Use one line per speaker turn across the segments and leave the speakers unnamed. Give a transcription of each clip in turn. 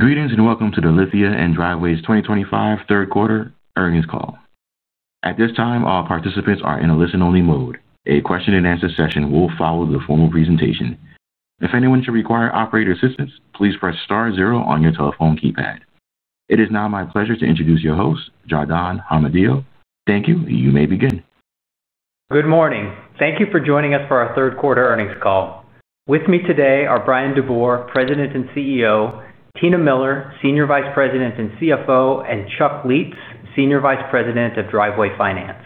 Good evening and welcome to the Lithia Motors and Driveway 2025 third quarter earnings call. At this time, all participants are in a listen-only mode. A question and answer session will follow the formal presentation. If anyone should require operator assistance, please press star zero on your telephone keypad. It is now my pleasure to introduce your host, Jardon Jaramillo. Thank you. You may begin.
Good morning. Thank you for joining us for our third quarter earnings call. With me today are Bryan DeBoer, President and CEO, Tina Miller, Senior Vice President and CFO, and Chuck Lietz, Senior Vice President of Driveway Finance.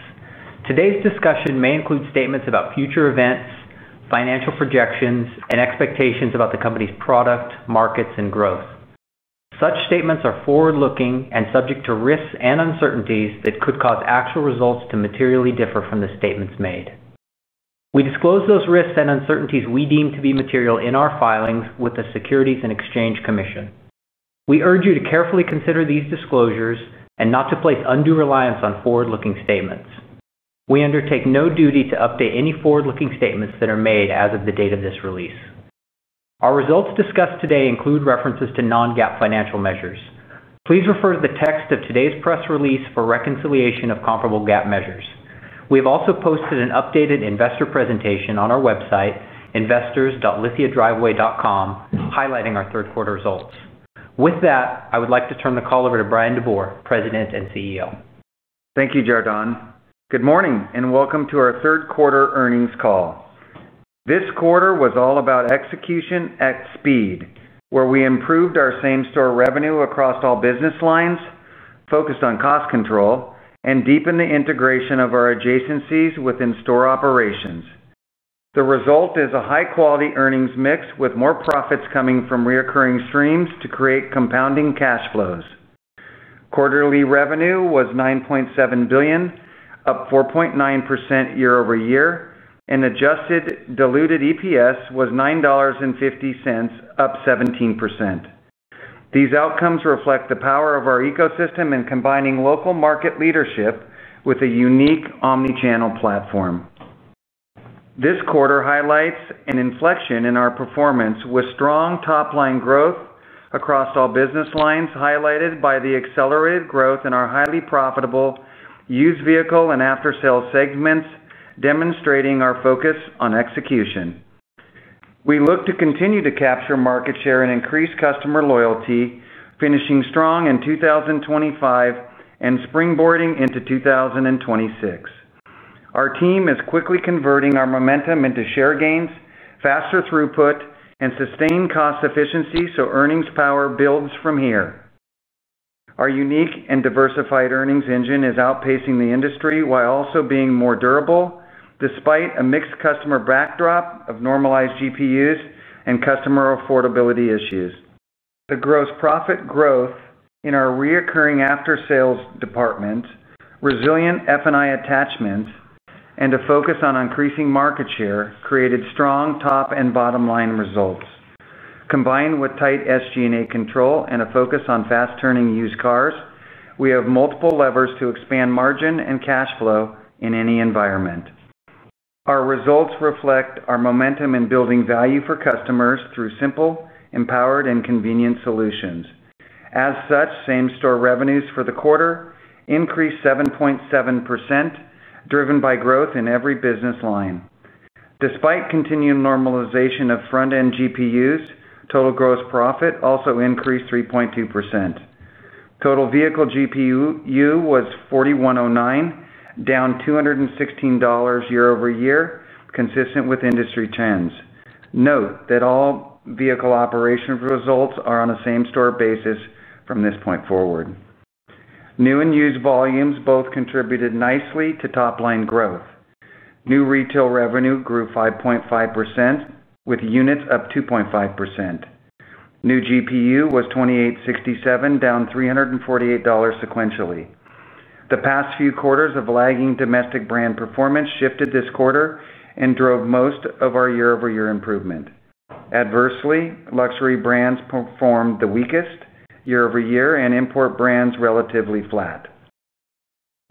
Today's discussion may include statements about future events, financial projections, and expectations about the company's product, markets, and growth. Such statements are forward-looking and subject to risks and uncertainties that could cause actual results to materially differ from the statements made. We disclose those risks and uncertainties we deem to be material in our filings with the Securities and Exchange Commission. We urge you to carefully consider these disclosures and not to place undue reliance on forward-looking statements. We undertake no duty to update any forward-looking statements that are made as of the date of this release. Our results discussed today include references to non-GAAP financial measures. Please refer to the text of today's press release for reconciliation of comparable GAAP measures. We have also posted an updated investor presentation on our website, investors.lithiadriveway.com, highlighting our third quarter results. With that, I would like to turn the call over to Bryan DeBoer, President and CEO.
Thank you, Jardon. Good morning and welcome to our third quarter earnings call. This quarter was all about execution at speed, where we improved our same-store revenue across all business lines, focused on cost control, and deepened the integration of our adjacencies within store operations. The result is a high-quality earnings mix with more profits coming from recurring streams to create compounding cash flows. Quarterly revenue was 9.7 billion, up 4.9% year-over-year, and adjusted diluted EPS was 9.50 dollars, up 17%. These outcomes reflect the power of our ecosystem in combining local market leadership with a unique omnichannel platform. This quarter highlights an inflection in our performance with strong top-line growth across all business lines, highlighted by the accelerated growth in our highly profitable used vehicle and after-sales segments, demonstrating our focus on execution. We look to continue to capture market share and increase customer loyalty, finishing strong in 2025 and springboarding into 2026. Our team is quickly converting our momentum into share gains, faster throughput, and sustained cost efficiency, so earnings power builds from here. Our unique and diversified earnings engine is outpacing the industry while also being more durable despite a mixed customer backdrop of normalized GPUs and customer affordability issues. The gross profit growth in our recurring after-sales department, resilient F&I attachments, and a focus on increasing market share created strong top and bottom-line results. Combined with tight SG&A control and a focus on fast-turning used cars, we have multiple levers to expand margin and cash flow in any environment. Our results reflect our momentum in building value for customers through simple, empowered, and convenient solutions. As such, same-store revenues for the quarter increased 7.7%, driven by growth in every business line. Despite continued normalization of front-end GPUs, total gross profit also increased 3.2%. Total vehicle GPU was 4,109, down 216 dollars year-over-year, consistent with industry trends. Note that all vehicle operation results are on a same-store basis from this point forward. New and used volumes both contributed nicely to top-line growth. New retail revenue grew 5.5%, with units up 2.5%. New GPU was 2,867, down 348 dollars sequentially. The past few quarters of lagging domestic brand performance shifted this quarter and drove most of our year-over-year improvement. Adversely, luxury brands performed the weakest year-over-year, and import brands relatively flat.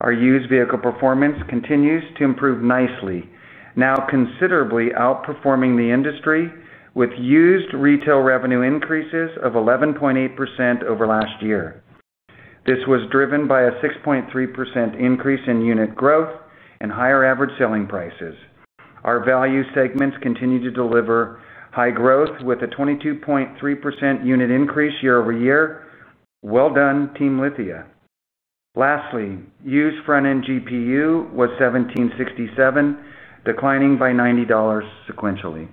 Our used vehicle performance continues to improve nicely, now considerably outperforming the industry with used retail revenue increases of 11.8% over last year. This was driven by a 6.3% increase in unit growth and higher average selling prices. Our value segments continue to deliver high growth with a 22.3% unit increase year-over-year. Well done, Team Lithia. Lastly, used front-end GPU was 17,670, declining by 90 dollars sequentially.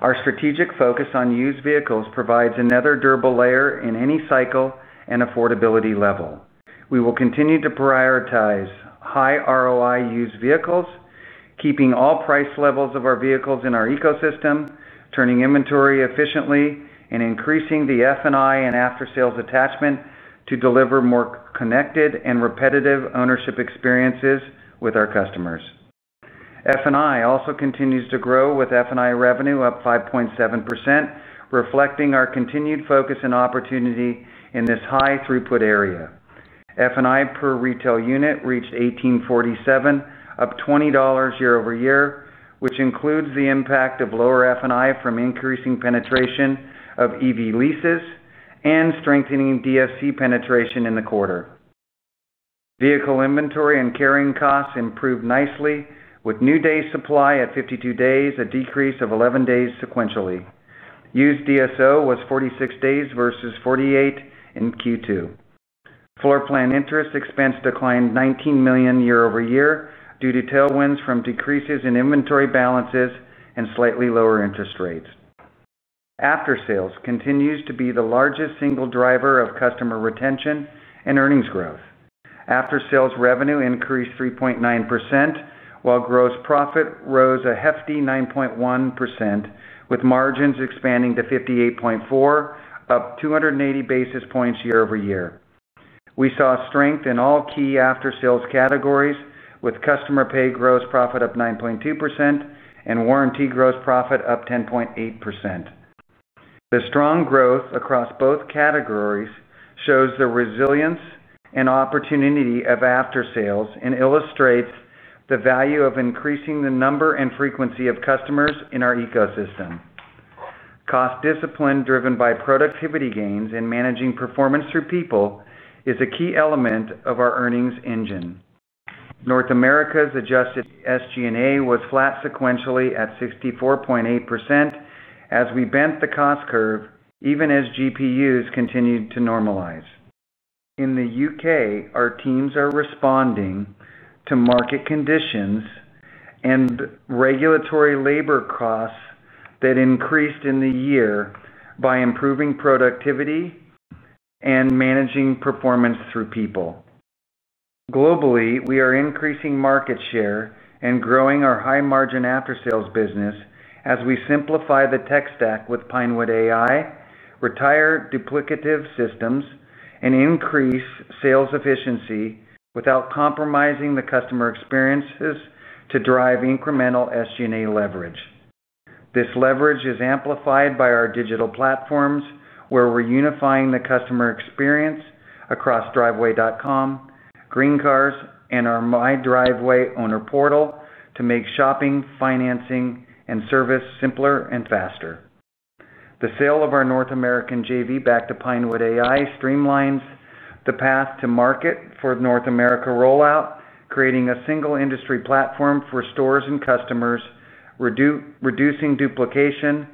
Our strategic focus on used vehicles provides another durable layer in any cycle and affordability level. We will continue to prioritize high ROI used vehicles, keeping all price levels of our vehicles in our ecosystem, turning inventory efficiently, and increasing the F&I and after-sales attachment to deliver more connected and repetitive ownership experiences with our customers. F&I also continues to grow with F&I revenue up 5.7%, reflecting our continued focus and opportunity in this high throughput area. F&I per retail unit reached 1,847, up 20 dollars year-over-year, which includes the impact of lower F&I from increasing penetration of EV leases and strengthening DSC penetration in the quarter. Vehicle inventory and carrying costs improved nicely with new day supply at 52 days, a decrease of 11 days sequentially. Used DSO was 46 days versus 48 in Q2. Floor plan interest expense declined 19 million year-over-year due to tailwinds from decreases in inventory balances and slightly lower interest rates. After-sales continues to be the largest single driver of customer retention and earnings growth. After-sales revenue increased 3.9%, while gross profit rose a hefty 9.1%, with margins expanding to 58.4%, up 280 basis points year-over-year. We saw strength in all key after-sales categories, with customer pay gross profit up 9.2% and warranty gross profit up 10.8%. The strong growth across both categories shows the resilience and opportunity of after-sales and illustrates the value of increasing the number and frequency of customers in our ecosystem. Cost discipline driven by productivity gains and managing performance through people is a key element of our earnings engine. North America's adjusted SG&A was flat sequentially at 64.8% as we bent the cost curve, even as GPUs continued to normalize. In the UK, our teams are responding to market conditions and regulatory labor costs that increased in the year by improving productivity and managing performance through people. Globally, we are increasing market share and growing our high-margin after-sales business as we simplify the tech stack with Pinewood AI, retire duplicative systems, and increase sales efficiency without compromising the customer experiences to drive incremental SG&A leverage. This leverage is amplified by our digital platforms, where we're unifying the customer experience across driveway.com, GreenCars, and our MyDriveway owner portal to make shopping, financing, and service simpler and faster. The sale of our North American JV back to Pinewood AI streamlines the path to market for North America rollout, creating a single industry platform for stores and customers, reducing duplication,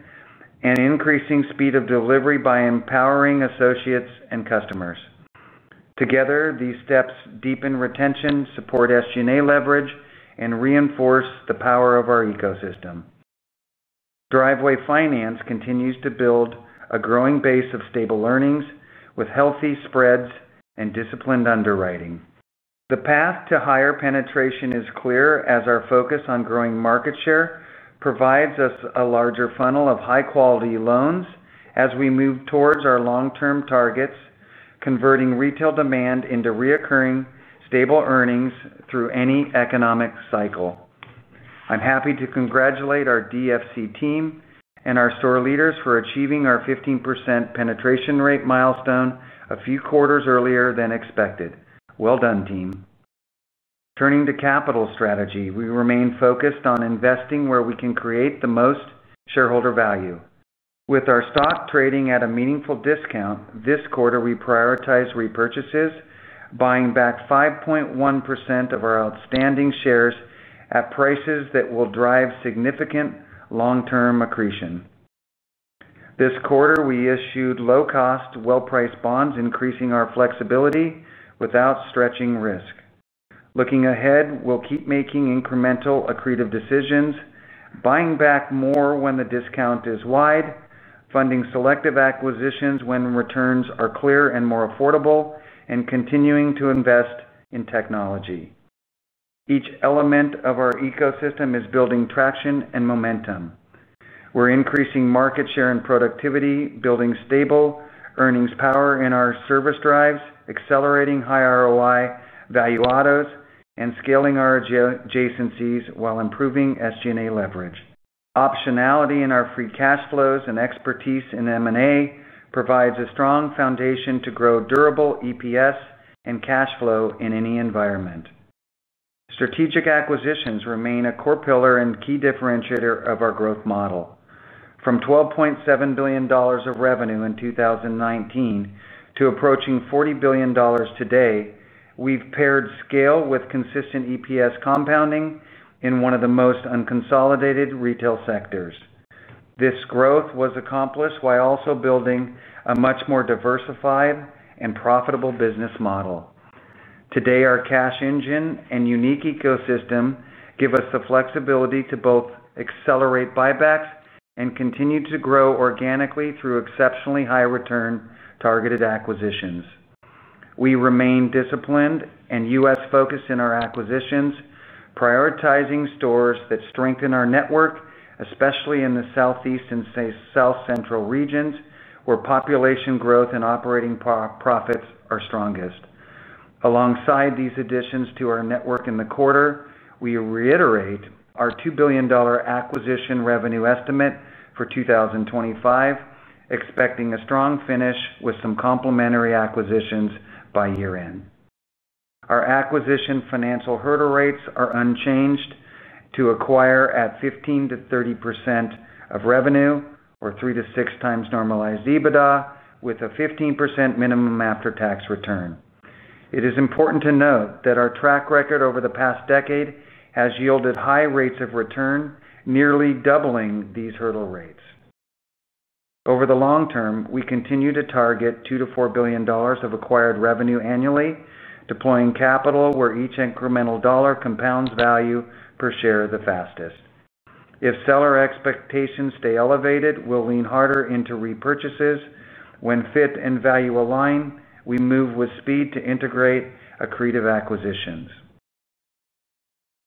and increasing speed of delivery by empowering associates and customers. Together, these steps deepen retention, support SG&A leverage, and reinforce the power of our ecosystem. Driveway Finance continues to build a growing base of stable earnings with healthy spreads and disciplined underwriting. The path to higher penetration is clear as our focus on growing market share provides us a larger funnel of high-quality loans as we move towards our long-term targets, converting retail demand into reoccurring stable earnings through any economic cycle. I'm happy to congratulate our DFC team and our store leaders for achieving our 15% penetration rate milestone a few quarters earlier than expected. Turning to capital strategy, we remain focused on investing where we can create the most shareholder value. With our stock trading at a meaningful discount, this quarter we prioritize repurchases, buying back 5.1% of our outstanding shares at prices that will drive significant long-term accretion. This quarter we issued low-cost, well-priced bonds, increasing our flexibility without stretching risk. Looking ahead, we'll keep making incremental accretive decisions, buying back more when the discount is wide, funding selective acquisitions when returns are clear and more affordable, and continuing to invest in technology. Each element of our ecosystem is building traction and momentum. We're increasing market share and productivity, building stable earnings power in our service drives, accelerating high ROI value-adds, and scaling our adjacencies while improving SG&A leverage. Optionality in our free cash flows and expertise in M&A provides a strong foundation to grow durable EPS and cash flow in any environment. Strategic acquisitions remain a core pillar and key differentiator of our growth model. From 12.7 billion dollars of revenue in 2019 to approaching 40 billion dollars today, we've paired scale with consistent EPS compounding in one of the most unconsolidated retail sectors. This growth was accomplished while also building a much more diversified and profitable business model. Today, our cash engine and unique ecosystem give us the flexibility to both accelerate buybacks and continue to grow organically through exceptionally high return targeted acquisitions. We remain disciplined and U.S.-focused in our acquisitions, prioritizing stores that strengthen our network, especially in the Southeast U.S. and South Central U.S. regions where population growth and operating profits are strongest. Alongside these additions to our network in the quarter, we reiterate our 2 billion dollar acquisition revenue estimate for 2025, expecting a strong finish with some complementary acquisitions by year-end. Our acquisition financial hurdle rates are unchanged to acquire at 15%-30% of revenue or three to six times normalized EBITDA with a 15% minimum after-tax return. It is important to note that our track record over the past decade has yielded high rates of return, nearly doubling these hurdle rates. Over the long term, we continue to target 2 billion-4 billion dollars of acquired revenue annually, deploying capital where each incremental dollar compounds value per share the fastest. If seller expectations stay elevated, we'll lean harder into repurchases. When fit and value align, we move with speed to integrate accretive acquisitions.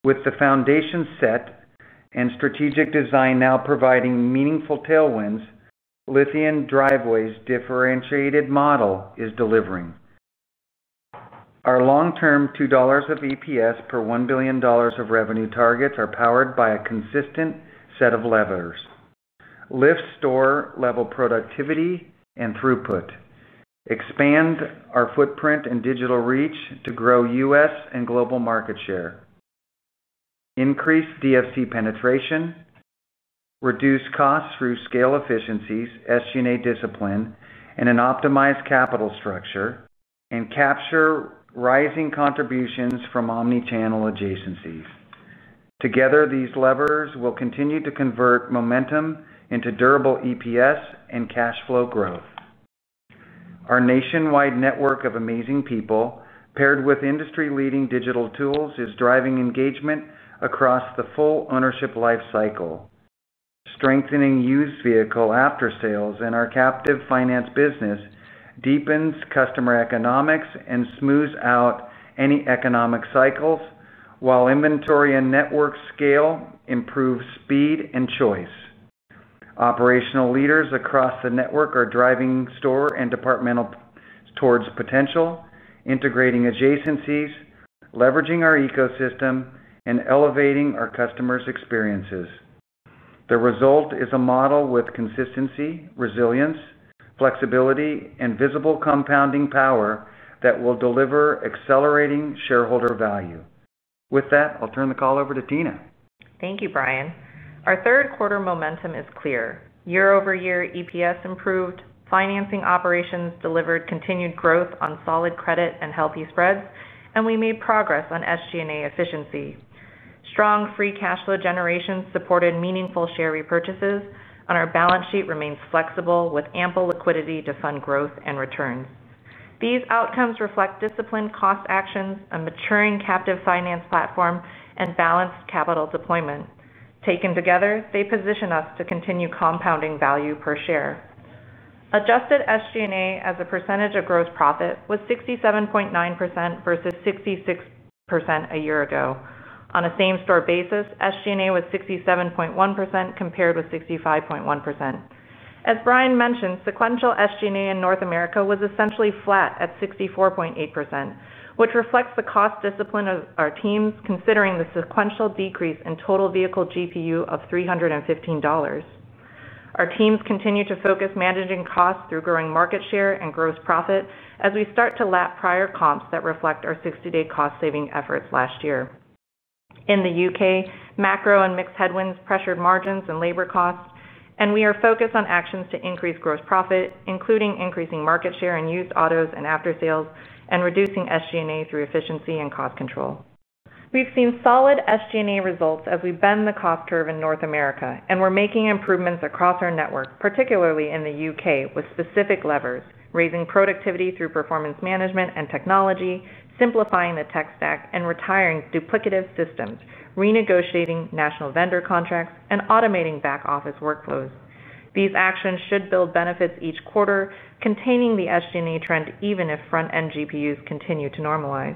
With the foundation set and strategic design now providing meaningful tailwinds, Lithia Driveway's differentiated model is delivering. Our long-term 2 dollars of EPS per 1 billion dollars of revenue targets are powered by a consistent set of levers. Lift store-level productivity and throughput, expand our footprint and digital reach to grow U.S. and global market share, increase DFC penetration, reduce costs through scale efficiencies, SG&A discipline, and an optimized capital structure, and capture rising contributions from omnichannel adjacencies. Together, these levers will continue to convert momentum into durable EPS and cash flow growth. Our nationwide network of amazing people paired with industry-leading digital tools is driving engagement across the full ownership lifecycle. Strengthening used vehicle after-sales in our captive finance business deepens customer economics and smooths out any economic cycles, while inventory and network scale improve speed and choice. Operational leaders across the network are driving store and departmental towards potential, integrating adjacencies, leveraging our ecosystem, and elevating our customers' experiences. The result is a model with consistency, resilience, flexibility, and visible compounding power that will deliver accelerating shareholder value. With that, I'll turn the call over to Tina.
Thank you, Bryan. Our third quarter momentum is clear. Year-over-year EPS improved, financing operations delivered continued growth on solid credit and healthy spreads, and we made progress on SG&A efficiency. Strong free cash flow generation supported meaningful share repurchases, and our balance sheet remains flexible with ample liquidity to fund growth and returns. These outcomes reflect disciplined cost actions, a maturing captive finance platform, and balanced capital deployment. Taken together, they position us to continue compounding value per share. Adjusted SG&A as a percentage of gross profit was 67.9% versus 66% a year ago. On a same-store basis, SG&A was 67.1% compared with 65.1%. As Bryan mentioned, sequential SG&A in North America was essentially flat at 64.8%, which reflects the cost discipline of our teams considering the sequential decrease in total vehicle GPU of 315 dollars. Our teams continue to focus managing costs through growing market share and gross profit as we start to lap prior comps that reflect our 60-day cost-saving efforts last year. In the UK, macro and mixed headwinds pressured margins and labor costs, and we are focused on actions to increase gross profit, including increasing market share in used autos and after-sales and reducing SG&A through efficiency and cost control. We've seen solid SG&A results as we bend the cost curve in North America, and we're making improvements across our network, particularly in the UK, with specific levers: raising productivity through performance management and technology, simplifying the tech stack and retiring duplicative systems, renegotiating national vendor contracts, and automating back-office workflows. These actions should build benefits each quarter, containing the SG&A trend even if front-end GPUs continue to normalize.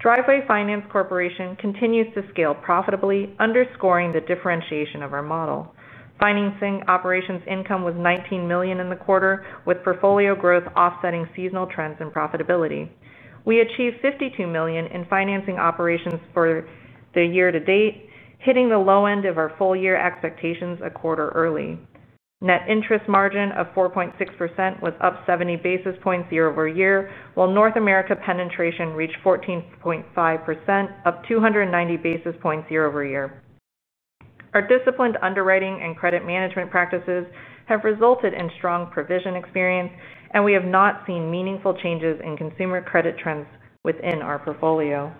Driveway Finance Corporation continues to scale profitably, underscoring the differentiation of our model. Financing operations income was 19 million in the quarter, with portfolio growth offsetting seasonal trends in profitability. We achieved 52 million in financing operations for the year to date, hitting the low end of our full-year expectations a quarter early. Net interest margin of 4.6% was up 70 basis points year-over-year, while North America penetration reached 14.5%, up 290 basis points year-over-year. Our disciplined underwriting and credit management practices have resulted in strong provision experience, and we have not seen meaningful changes in consumer credit trends within our portfolio.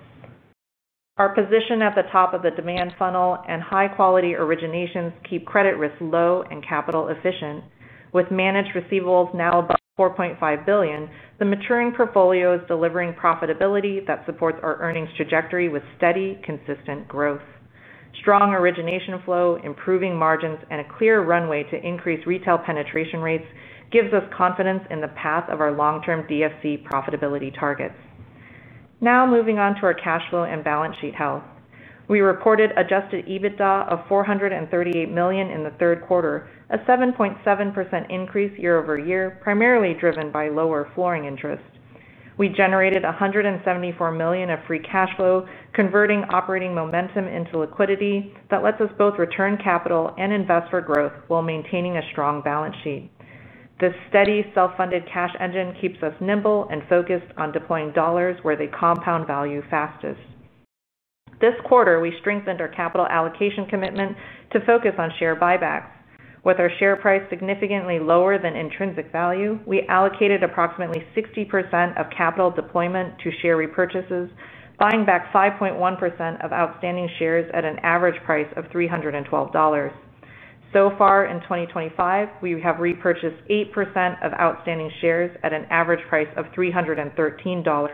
Our position at the top of the demand funnel and high-quality originations keep credit risk low and capital efficient. With managed receivables now about 4.5 billion, the maturing portfolio is delivering profitability that supports our earnings trajectory with steady, consistent growth. Strong origination flow, improving margins, and a clear runway to increase retail penetration rates give us confidence in the path of our long-term DFC profitability targets. Now moving on to our cash flow and balance sheet health. We reported adjusted EBITDA of 438 million in the third quarter, a 7.7% increase year-over-year, primarily driven by lower flooring interest. We generated 174 million of free cash flow, converting operating momentum into liquidity that lets us both return capital and invest for growth while maintaining a strong balance sheet. This steady self-funded cash engine keeps us nimble and focused on deploying dollars where they compound value fastest. This quarter, we strengthened our capital allocation commitment to focus on share buybacks. With our share price significantly lower than intrinsic value, we allocated approximately 60% of capital deployment to share repurchases, buying back 5.1% of outstanding shares at an average price of 312 dollars. So far, in 2025, we have repurchased 8% of outstanding shares at an average price of 313 dollars.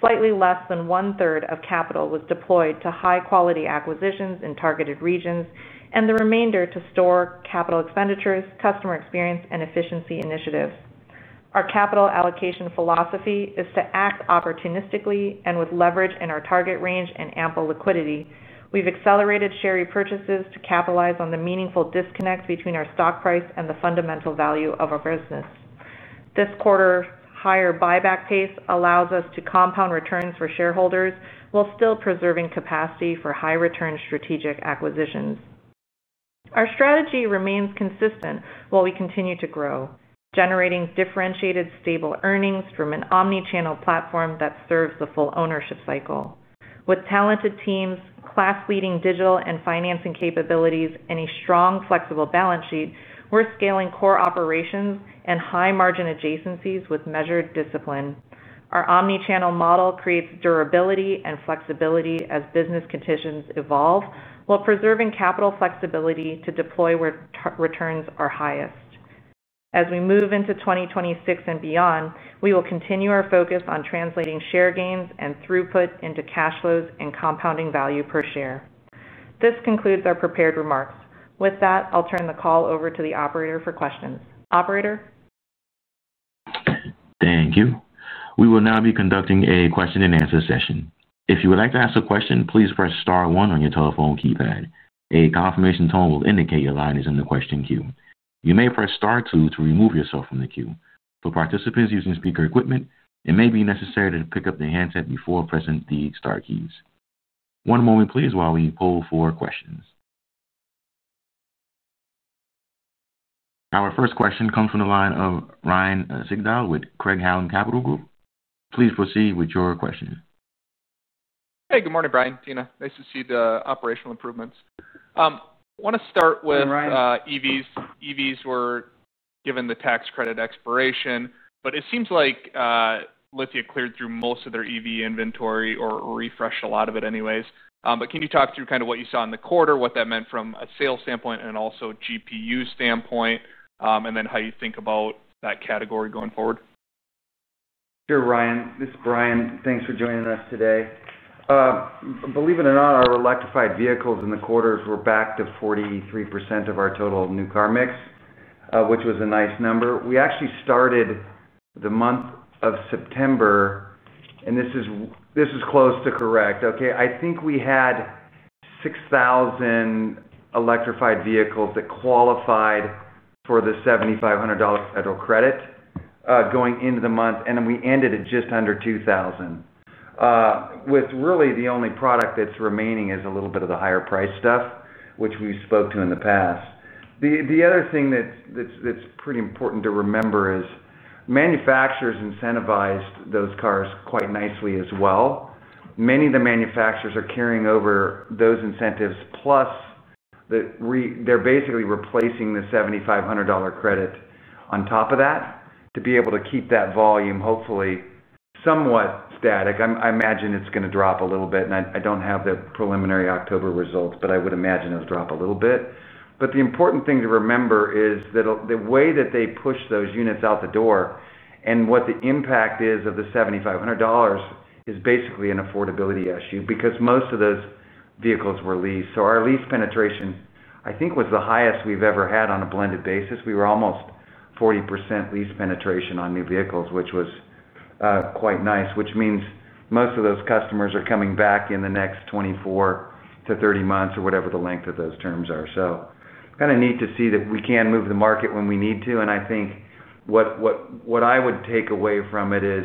Slightly less than one-third of capital was deployed to high-quality acquisitions in targeted regions, and the remainder to store capital expenditures, customer experience, and efficiency initiatives. Our capital allocation philosophy is to act opportunistically and with leverage in our target range and ample liquidity. We've accelerated share repurchases to capitalize on the meaningful disconnect between our stock price and the fundamental value of our business. This quarter's higher buyback pace allows us to compound returns for shareholders while still preserving capacity for high-return strategic acquisitions. Our strategy remains consistent while we continue to grow, generating differentiated stable earnings from an omnichannel platform that serves the full ownership cycle. With talented teams, class-leading digital and financing capabilities, and a strong flexible balance sheet, we're scaling core operations and high-margin adjacencies with measured discipline. Our omnichannel model creates durability and flexibility as business conditions evolve while preserving capital flexibility to deploy where returns are highest. As we move into 2026 and beyond, we will continue our focus on translating share gains and throughput into cash flows and compounding value per share. This concludes our prepared remarks. With that, I'll turn the call over to the operator for questions. Operator?
Thank you. We will now be conducting a question and answer session. If you would like to ask a question, please press star one on your telephone keypad. A confirmation tone will indicate your line is in the question queue. You may press star two to remove yourself from the queue. For participants using speaker equipment, it may be necessary to pick up the handset before pressing the star keys. One moment, please, while we pull for questions. Our first question comes from the line of Ryan Sigdahl with Craig-Hallum Capital Group. Please proceed with your question.
Hey, good morning, Bryan. Tina, nice to see the operational improvements. I want to start with EVs. EVs were given the EV tax credit expiration, but it seems like Lithia cleared through most of their EV inventory or refreshed a lot of it anyways. Can you talk through kind of what you saw in the quarter, what that meant from a sales standpoint and also GPU standpoint, and then how you think about that category going forward?
Sure, Ryan. This is Bryan. Thanks for joining us today. Believe it or not, our electrified vehicles in the quarters were back to 43% of our total new car mix, which was a nice number. We actually started the month of September, and this is close to correct. I think we had 6,000 electrified vehicles that qualified for the 7,500 dollars federal credit going into the month, and then we ended at just under 2,000, with really the only product that's remaining is a little bit of the higher price stuff, which we spoke to in the past. The other thing that's pretty important to remember is manufacturers incentivized those cars quite nicely as well. Many of the manufacturers are carrying over those incentives, plus they're basically replacing the 7,500 dollar credit on top of that to be able to keep that volume hopefully somewhat static. I imagine it's going to drop a little bit, and I don't have the preliminary October results, but I would imagine it'll drop a little bit. The important thing to remember is that the way that they push those units out the door and what the impact is of the 7,500 dollars is basically an affordability issue because most of those vehicles were leased. Our lease penetration, I think, was the highest we've ever had on a blended basis. We were almost 40% lease penetration on new vehicles, which was quite nice, which means most of those customers are coming back in the next 24-30 months or whatever the length of those terms are. Kind of neat to see that we can move the market when we need to. What I would take away from it is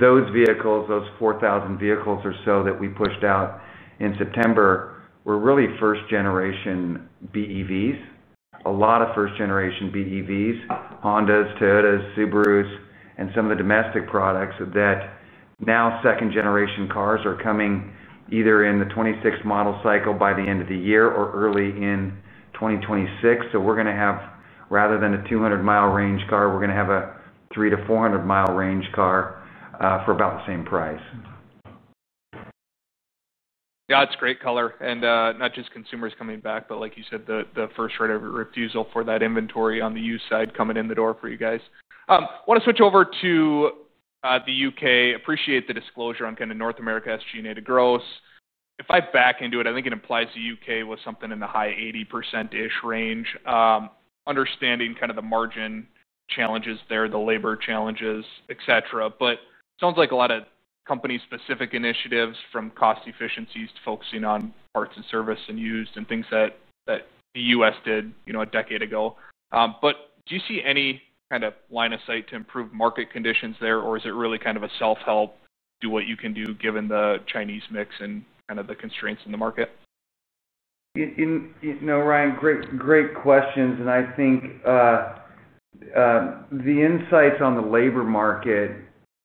those vehicles, those 4,000 vehicles or so that we pushed out in September, were really first-generation BEVs, a lot of first-generation BEVs, Hondas, Toyotas, Subarus, and some of the domestic products that now second-generation cars are coming either in the 2026 model cycle by the end of the year or early in 2026. We're going to have, rather than a 200-mile range car, we're going to have a 300-400-mile range car for about the same price.
Yeah, it's great color. Not just consumers coming back, but like you said, the first right of refusal for that inventory on the used side coming in the door for you guys. I want to switch over to the UK. Appreciate the disclosure on kind of North America SG&A to gross. If I back into it, I think it implies the UK was something in the high 80% range, understanding kind of the margin challenges there, the labor challenges, etc. It sounds like a lot of company-specific initiatives from cost efficiencies to focusing on parts and service and used and things that the US did a decade ago. Do you see any kind of line of sight to improve market conditions there, or is it really kind of a self-help, do what you can do given the Chinese mix and kind of the constraints in the market?
No, Ryan, great questions. I think the insights on the labor market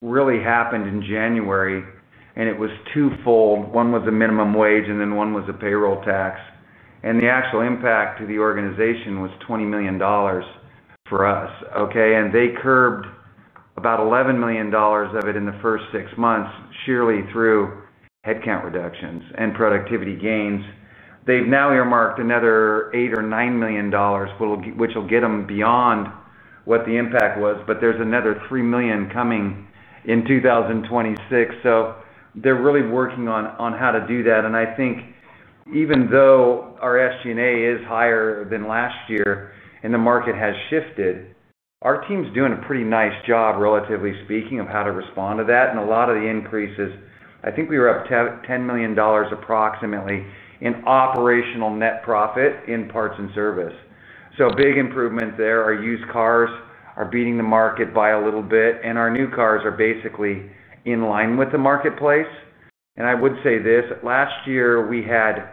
really happened in January, and it was twofold. One was a minimum wage, and then one was a payroll tax. The actual impact to the organization was 20 million dollars for us. They curbed about 11 million dollars of it in the first six months purely through headcount reductions and productivity gains. They've now earmarked another 8 or 9 million dollars, which will get them beyond what the impact was, but there's another 3 million coming in 2026. They're really working on how to do that. I think even though our SG&A is higher than last year and the market has shifted, our team's doing a pretty nice job, relatively speaking, of how to respond to that. A lot of the increases, I think we were up to 10 million dollars approximately in operational net profit in parts and service. Big improvement there. Our used cars are beating the market by a little bit, and our new cars are basically in line with the marketplace. I would say this, last year we had,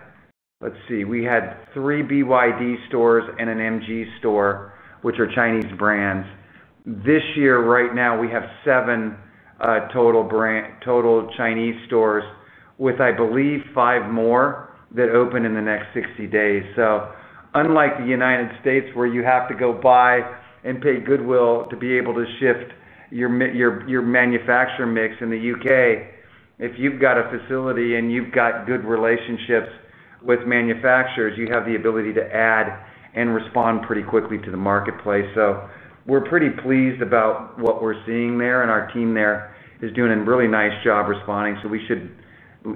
let's see, we had three BYD stores and an MG store, which are Chinese brands. This year, right now, we have seven total Chinese stores with, I believe, five more that open in the next 60 days. Unlike the United States, where you have to go buy and pay goodwill to be able to shift your manufacturer mix, in the UK, if you've got a facility and you've got good relationships with manufacturers, you have the ability to add and respond pretty quickly to the marketplace. We're pretty pleased about what we're seeing there, and our team there is doing a really nice job responding. We should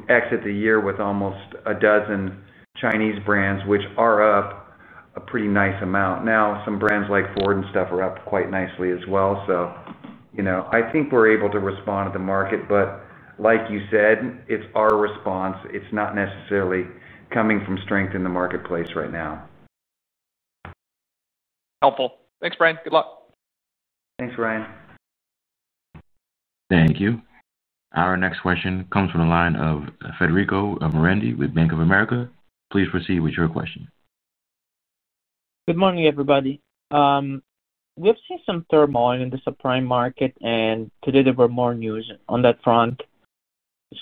exit the year with almost a dozen Chinese brands, which are up a pretty nice amount. Some brands like Ford and stuff are up quite nicely as well. I think we're able to respond to the market, but like you said, it's our response. It's not necessarily coming from strength in the marketplace right now.
Helpful. Thanks, Bryan. Good luck.
Thanks, Ryan.
Thank you. Our next question comes from the line of Federico Merendi with Bank of America. Please proceed with your question.
Good morning, everybody. We've seen some turmoil in the subprime market, and today there were more news on that front.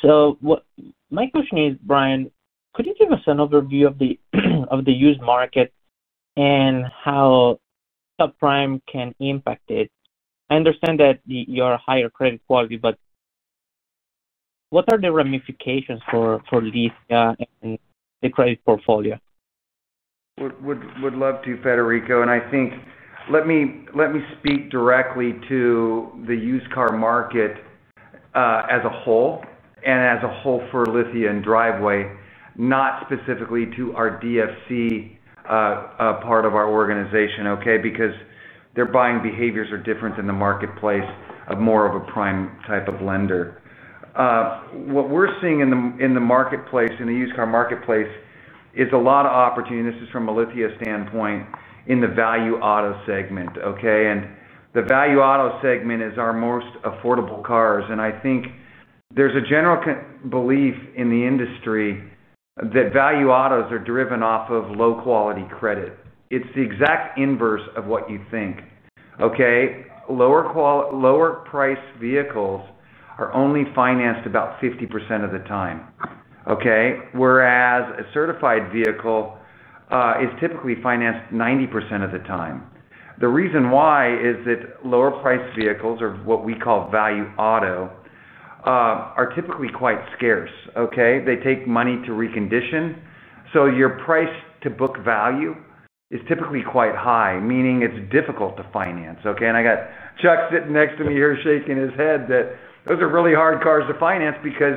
My question is, Bryan, could you give us an overview of the used market and how subprime can impact it? I understand that you're a higher credit quality, but what are the ramifications for Lithia and the credit portfolio?
Would love to, Federico. I think let me speak directly to the used car market as a whole and as a whole for Lithia and Driveway, not specifically to our DFC part of our organization, because their buying behaviors are different than the marketplace of more of a prime type of lender. What we're seeing in the marketplace, in the used car marketplace, is a lot of opportunity. This is from a Lithia standpoint in the value auto segment. The value auto segment is our most affordable cars. I think there's a general belief in the industry that value autos are driven off of low-quality credit. It's the exact inverse of what you think. Lower priced vehicles are only financed about 50% of the time, whereas a certified vehicle is typically financed 90% of the time. The reason why is that lower priced vehicles, or what we call value auto, are typically quite scarce. They take money to recondition, so your price to book value is typically quite high, meaning it's difficult to finance. I got Chuck sitting next to me here shaking his head that those are really hard cars to finance because,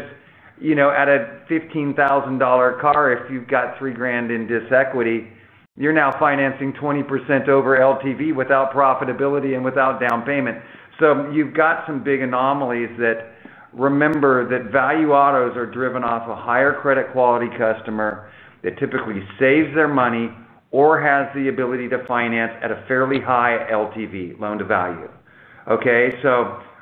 you know, at a 15,000 dollar car, if you've got three grand in disequity, you're now financing 20% over LTV without profitability and without down payment. You've got some big anomalies that remember that value autos are driven off a higher credit quality customer that typically saves their money or has the ability to finance at a fairly high LTV, loan-to-value.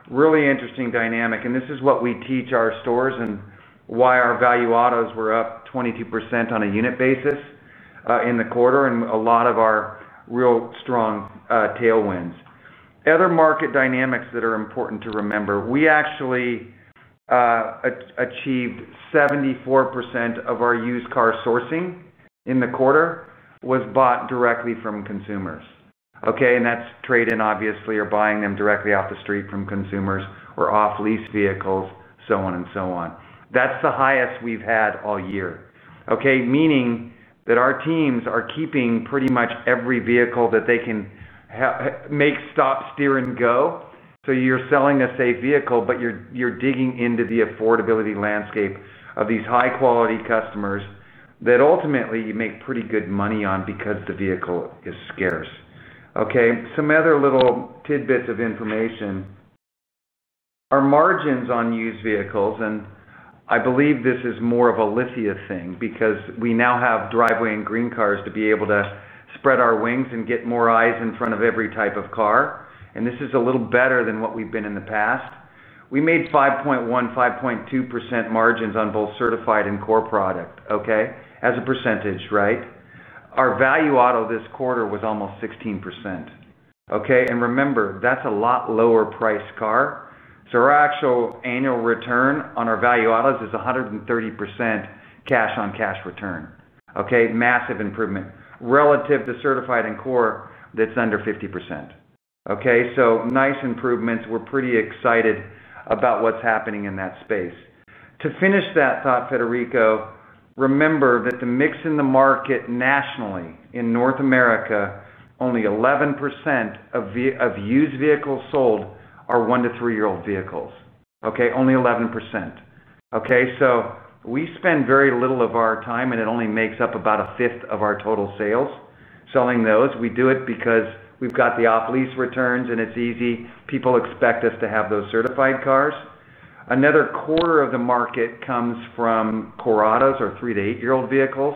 Really interesting dynamic. This is what we teach our stores and why our value autos were up 22% on a unit basis in the quarter and a lot of our real strong tailwinds. Other market dynamics that are important to remember, we actually achieved 74% of our used car sourcing in the quarter was bought directly from consumers. That's trade-in, obviously, or buying them directly off the street from consumers or off-lease vehicles, so on and so on. That's the highest we've had all year, meaning that our teams are keeping pretty much every vehicle that they can make stop, steer, and go. You're selling a safe vehicle, but you're digging into the affordability landscape of these high-quality customers that ultimately you make pretty good money on because the vehicle is scarce. Some other little tidbits of information. Our margins on used vehicles, and I believe this is more of a Lithia thing because we now have Driveway and GreenCars to be able to spread our wings and get more eyes in front of every type of car. This is a little better than what we've been in the past. We made 5.1%, 5.2% margins on both certified and core product. Okay. As a percentage, right? Our value auto this quarter was almost 16%. Okay. Remember, that's a lot lower priced car. Our actual annual return on our value autos is 130% cash on cash return. Okay. Massive improvement relative to certified and core that's under 50%. Nice improvements. We're pretty excited about what's happening in that space. To finish that thought, Federico, remember that the mix in the market nationally in North America, only 11% of used vehicles sold are one to three-year-old vehicles. Only 11%. We spend very little of our time, and it only makes up about a fifth of our total sales selling those. We do it because we've got the off-lease returns and it's easy. People expect us to have those certified cars. Another quarter of the market comes from core autos or three to eight-year-old vehicles.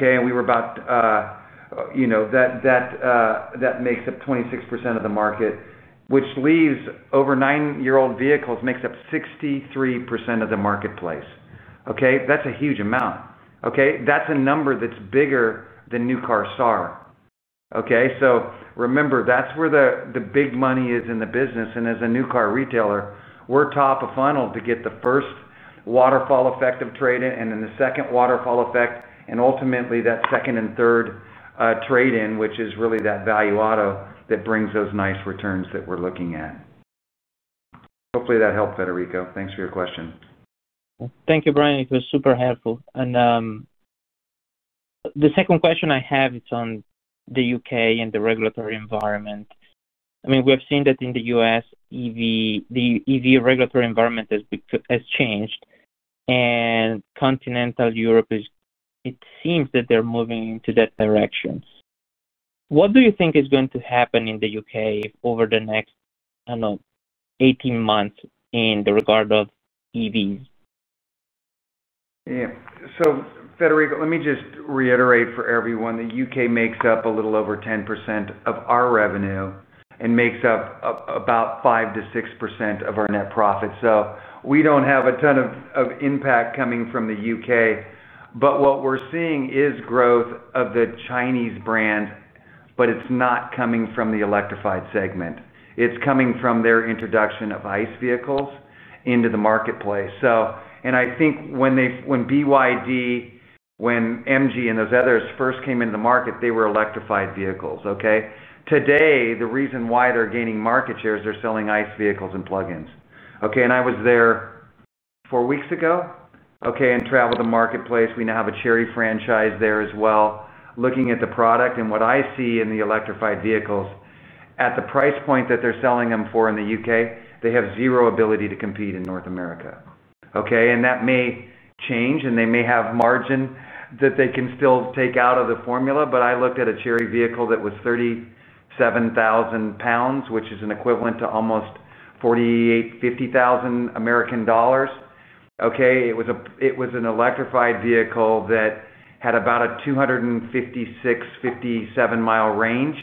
We were about, you know, that makes up 26% of the market, which leaves over nine-year-old vehicles makes up 63% of the marketplace. That's a huge amount. That's a number that's bigger than new car SAR. Remember, that's where the big money is in the business. As a new car retailer, we're top of funnel to get the first waterfall effect of trade-in, and then the second waterfall effect, and ultimately that second and third trade-in, which is really that value auto that brings those nice returns that we're looking at. Hopefully, that helped, Federico. Thanks for your question.
Thank you, Bryan. It was super helpful. The second question I have is on the UK and the regulatory environment. I mean, we have seen that in the U.S., the EV regulatory environment has changed, and continental Europe is, it seems that they're moving into that direction. What do you think is going to happen in the UK over the next, I don't know, 18 months in the regard of EVs?
Yeah. Federico, let me just reiterate for everyone, the UK makes up a little over 10% of our revenue and makes up about 5%-6% of our net profit. We don't have a ton of impact coming from the UK, but what we're seeing is growth of the Chinese brands, but it's not coming from the electrified segment. It's coming from their introduction of ICE vehicles into the marketplace. I think when BYD, when MG, and those others first came into the market, they were electrified vehicles. Today, the reason why they're gaining market share is they're selling ICE vehicles and plug-ins. I was there four weeks ago and traveled the marketplace. We now have a Chery franchise there as well, looking at the product. What I see in the electrified vehicles, at the price point that they're selling them for in the UK, they have zero ability to compete in North America. That may change, and they may have margin that they can still take out of the formula. I looked at a Chery vehicle that was AUD37,000, which is equivalent to almost 48,000-50,000 American dollars. It was an electrified vehicle that had about a 256,00-257,000 mile range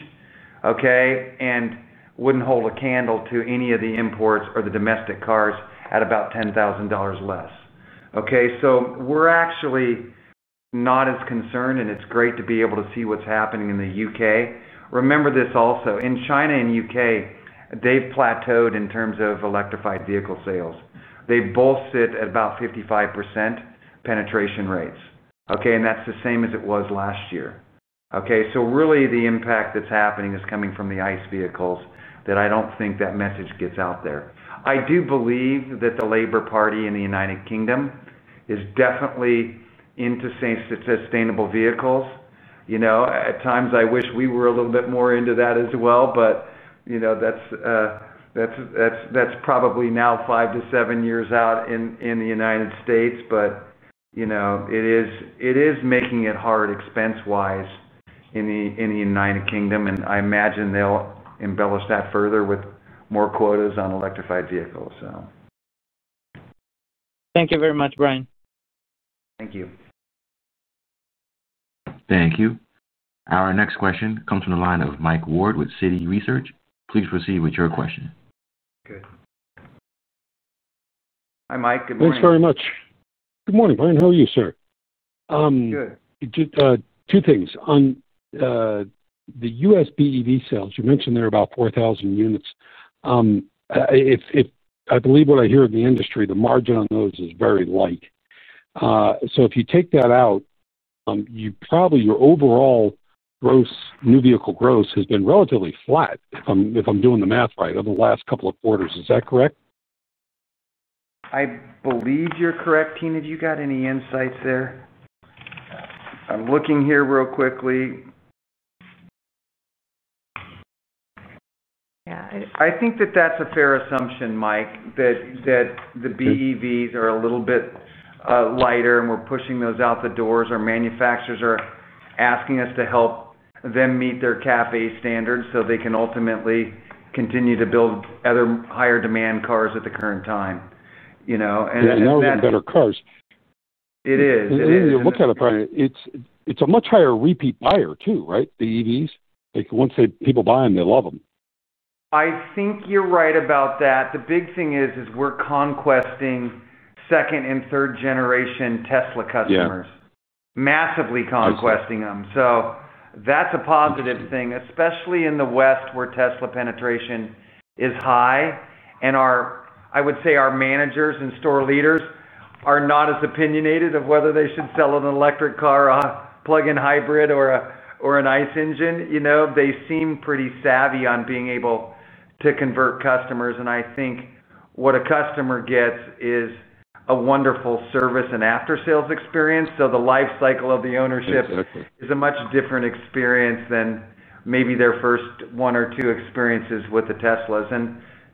and wouldn't hold a candle to any of the imports or the domestic cars at about 10,000 dollars less. We're actually not as concerned, and it's great to be able to see what's happening in the UK. Remember this also, in China and the UK, they've plateaued in terms of electrified vehicle sales. They both sit at about 55% penetration rates, and that's the same as it was last year. Really, the impact that's happening is coming from the ICE vehicles. I don't think that message gets out there. I do believe that the Labour Party in the United Kingdom is definitely into sustainable vehicles. At times, I wish we were a little bit more into that as well, but that's probably now five to seven years out in the United States. It is making it hard expense-wise in the United Kingdom, and I imagine they'll embellish that further with more quotas on electrified vehicles.
Thank you very much, Bryan.
Thank you.
Thank you. Our next question comes from the line of Mike Ward with Citi Research. Please proceed with your question.
Good.
Hi, Mike. Good morning.
Thanks very much. Good morning, Bryan. How are you, sir?
Good.
Two things. On the U.S. EV sales, you mentioned there are about 4,000 units. I believe what I hear in the industry, the margin on those is very light. If you take that out, probably your overall new vehicle gross has been relatively flat, if I'm doing the math right, over the last couple of quarters. Is that correct?
I believe you're correct. Tina, do you have any insights there? I'm looking here real quickly. Yeah, I think that that's a fair assumption, Mike, that the BEVs are a little bit lighter and we're pushing those out the doors. Our manufacturers are asking us to help them meet their CAFE standards so they can ultimately continue to build other higher demand cars at the current time. You know.
It's now even better cars.
It is.
Look at it, Bryan. It's a much higher repeat buyer too, right, the EVs? Like once people buy them, they love them.
I think you're right about that. The big thing is we're conquesting second and third-generation Tesla customers. Yeah, massively conquesting them. That's a positive thing, especially in the West where Tesla penetration is high. I would say our managers and store leaders are not as opinionated about whether they should sell an electric car, a plug-in hybrid, or an ICE engine. They seem pretty savvy on being able to convert customers. I think what a customer gets is a wonderful service and after-sales experience. The lifecycle of the ownership is a much different experience than maybe their first one or two experiences with the Teslas.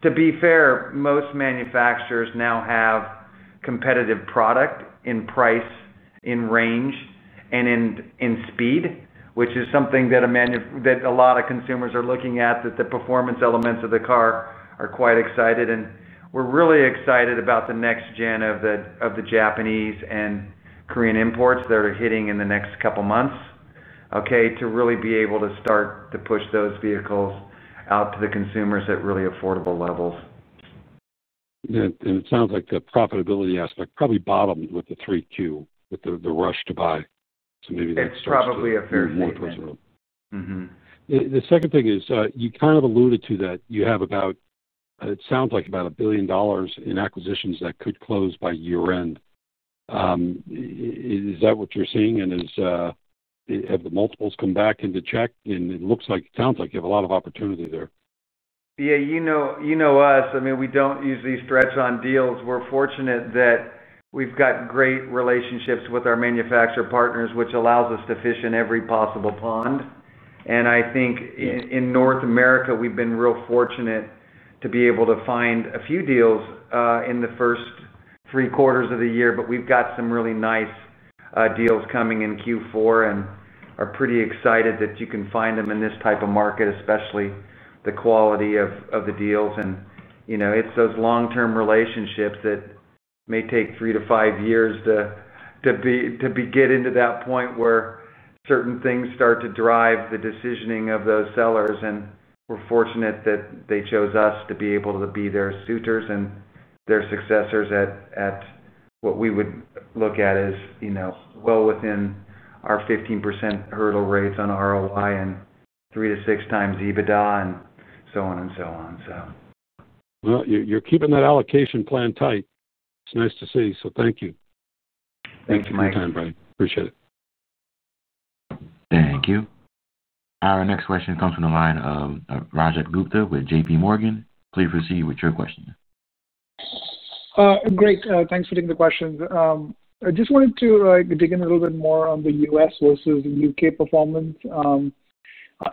To be fair, most manufacturers now have competitive product in price, in range, and in speed, which is something that a lot of consumers are looking at. The performance elements of the car are quite exciting. We're really excited about the next generation of the Japanese and Korean imports that are hitting in the next couple of months to really be able to start to push those vehicles out to the consumers at really affordable levels.
Yeah, it sounds like the profitability aspect probably bottomed with the 3Q, with the rush to buy. That's probably a fair statement.
That's probably a fair statement.
The second thing is, you kind of alluded to that you have about, it sounds like about 1 billion dollars in acquisitions that could close by year-end. Is that what you're seeing? Have the multiples come back into check? It looks like, it sounds like you have a lot of opportunity there.
Yeah. You know us. I mean, we don't usually stretch on deals. We're fortunate that we've got great relationships with our manufacturer partners, which allows us to fish in every possible pond. I think in North America, we've been real fortunate to be able to find a few deals in the first three quarters of the year, but we've got some really nice deals coming in Q4 and are pretty excited that you can find them in this type of market, especially the quality of the deals. It's those long-term relationships that may take three to five years to get into that point where certain things start to drive the decisioning of those sellers. We're fortunate that they chose us to be able to be their suitors and their successors at what we would look at as well within our 15% hurdle rates on ROI and three to six times EBITDA and so on and so on.
You're keeping that allocation plan tight. It's nice to see. Thank you.
Thank you, Mike.
for your time, Bryan. Appreciate it.
Thank you. Our next question comes from the line of Rajat Gupta with JP Morgan. Please proceed with your question.
Great. Thanks for taking the questions. I just wanted to dig in a little bit more on the U.S. versus the UK performance.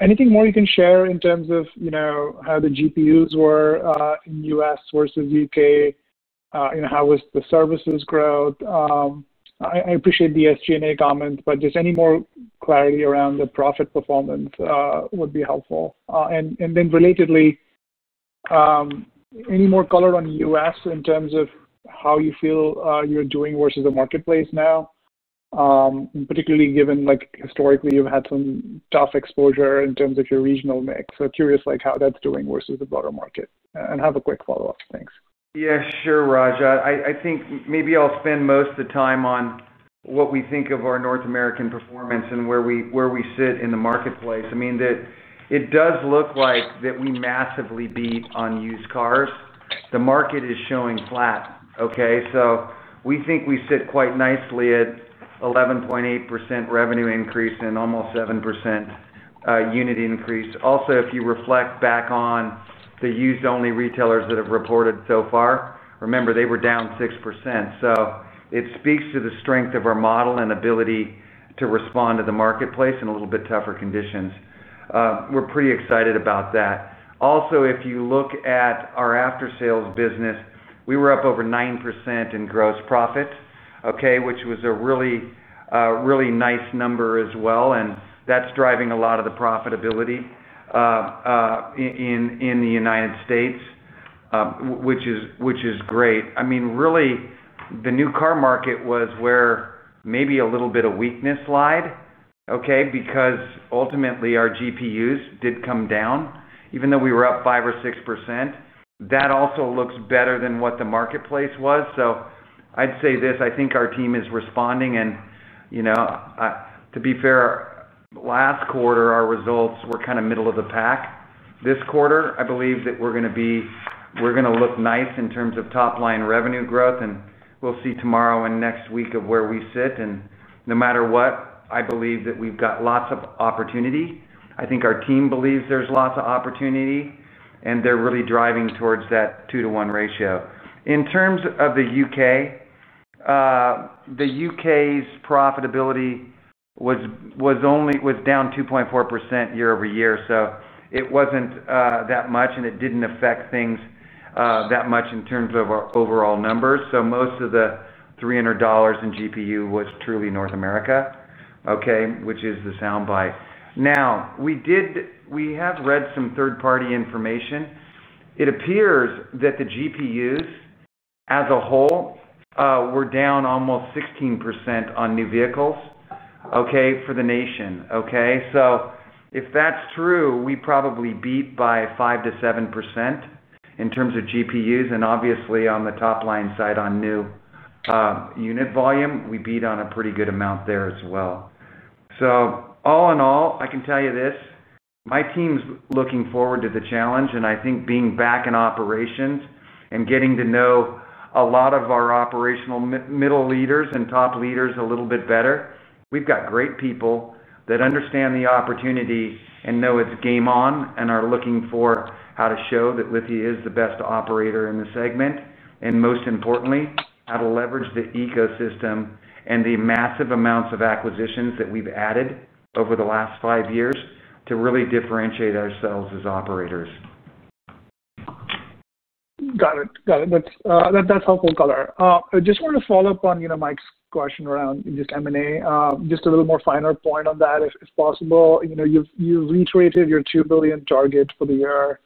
Anything more you can share in terms of, you know, how the GPUs were in the U.S. versus the UK? You know, how was the services growth? I appreciate the SG&A comments, but just any more clarity around the profit performance would be helpful. Then relatedly, any more color on the U.S. in terms of how you feel you're doing versus the marketplace now, particularly given like historically you've had some tough exposure in terms of your regional mix. Curious how that's doing versus the broader market. I have a quick follow-up. Thanks.
Yeah, sure, Rajat. I think maybe I'll spend most of the time on what we think of our North American performance and where we sit in the marketplace. It does look like we massively beat on used cars. The market is showing flat. We think we sit quite nicely at 11.8% revenue increase and almost 7% unit increase. Also, if you reflect back on the used-only retailers that have reported so far, remember they were down 6%. It speaks to the strength of our model and ability to respond to the marketplace in a little bit tougher conditions. We're pretty excited about that. If you look at our after-sales business, we were up over 9% in gross profit, which was a really, really nice number as well. That's driving a lot of the profitability in the United States, which is great. Really, the new car market was where maybe a little bit of weakness lied, because ultimately our GPUs did come down. Even though we were up 5 or 6%, that also looks better than what the marketplace was. I'd say this. I think our team is responding. To be fair, last quarter, our results were kind of middle of the pack. This quarter, I believe that we're going to look nice in terms of top-line revenue growth. We'll see tomorrow and next week where we sit. No matter what, I believe that we've got lots of opportunity. I think our team believes there's lots of opportunity, and they're really driving towards that two-to-one ratio. In terms of the UK, the UK's profitability was only down 2.4% year over year. It wasn't that much, and it didn't affect things that much in terms of our overall numbers. Most of the 300 dollars in GPU was truly North America, which is the sound bite. We have read some third-party information. It appears that the GPUs as a whole were down almost 16% on new vehicles for the nation. If that's true, we probably beat by 5-7% in terms of GPUs. Obviously, on the top-line side on new unit volume, we beat on a pretty good amount there as well. All in all, I can tell you this. My team's looking forward to the challenge, and I think being back in operations and getting to know a lot of our operational middle leaders and top leaders a little bit better, we've got great people that understand the opportunity and know it's game on and are looking for how to show that Lithia is the best operator in the segment, and most importantly, how to leverage the ecosystem and the massive amounts of acquisitions that we've added over the last five years to really differentiate ourselves as operators.
Got it. That's helpful color. I just want to follow up on Mike's question around this M&A, just a little more finer point on that if possible. You've retraced your 2 billion target for the year,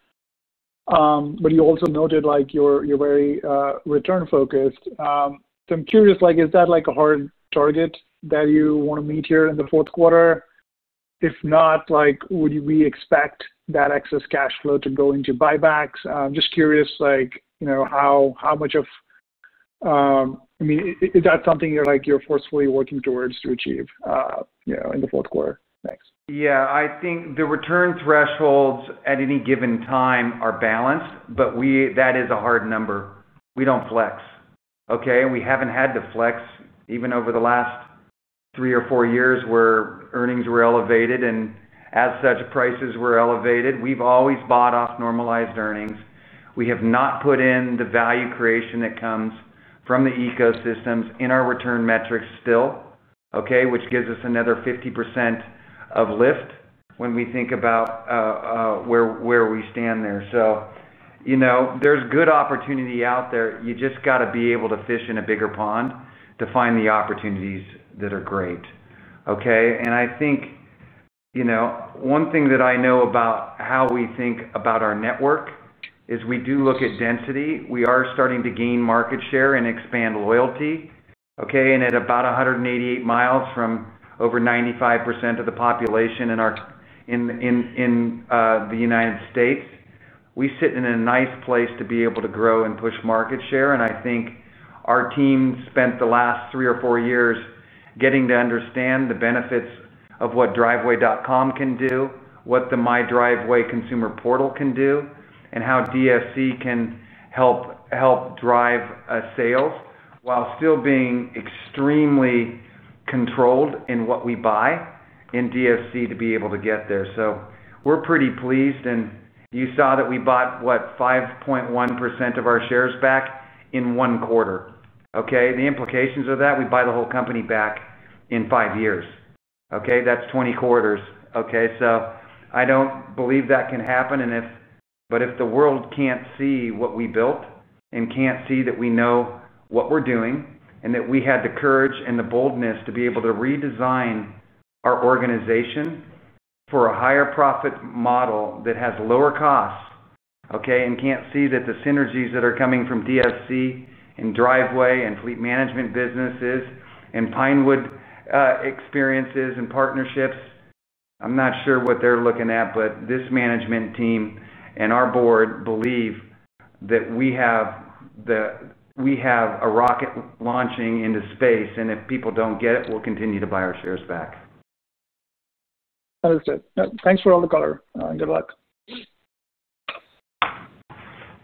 but you also noted you're very return-focused. I'm curious, is that a hard target that you want to meet here in the fourth quarter? If not, would we expect that excess cash flow to go into buybacks? I'm just curious, is that something you're forcefully working towards to achieve in the fourth quarter? Thanks.
Yeah. I think the return thresholds at any given time are balanced, but that is a hard number. We don't flex. We haven't had to flex even over the last three or four years where earnings were elevated and as such prices were elevated. We've always bought off normalized earnings. We have not put in the value creation that comes from the ecosystems in our return metrics still, which gives us another 50% of lift when we think about where we stand there. You know there's good opportunity out there. You just got to be able to fish in a bigger pond to find the opportunities that are great. I think one thing that I know about how we think about our network is we do look at density. We are starting to gain market share and expand loyalty. At about 188 miles from over 95% of the population in the U.S., we sit in a nice place to be able to grow and push market share. I think our team spent the last three or four years getting to understand the benefits of what driveway.com can do, what the MyDriveway owner portal can do, and how Driveway Finance Corporation can help drive sales while still being extremely controlled in what we buy in Driveway Finance Corporation to be able to get there. We're pretty pleased. You saw that we bought, what, 5.1% of our shares back in one quarter. The implications of that, we buy the whole company back in five years. That's 20 quarters. I don't believe that can happen. If the world can't see what we built and can't see that we know what we're doing and that we had the courage and the boldness to be able to redesign our organization for a higher profit model that has lower costs, and can't see that the synergies that are coming from Driveway Finance Corporation and Driveway and fleet management businesses and Pinewood AI experiences and partnerships, I'm not sure what they're looking at, but this management team and our board believe that we have a rocket launching into space. If people don't get it, we'll continue to buy our shares back.
Understood. Thanks for all the color. Good luck.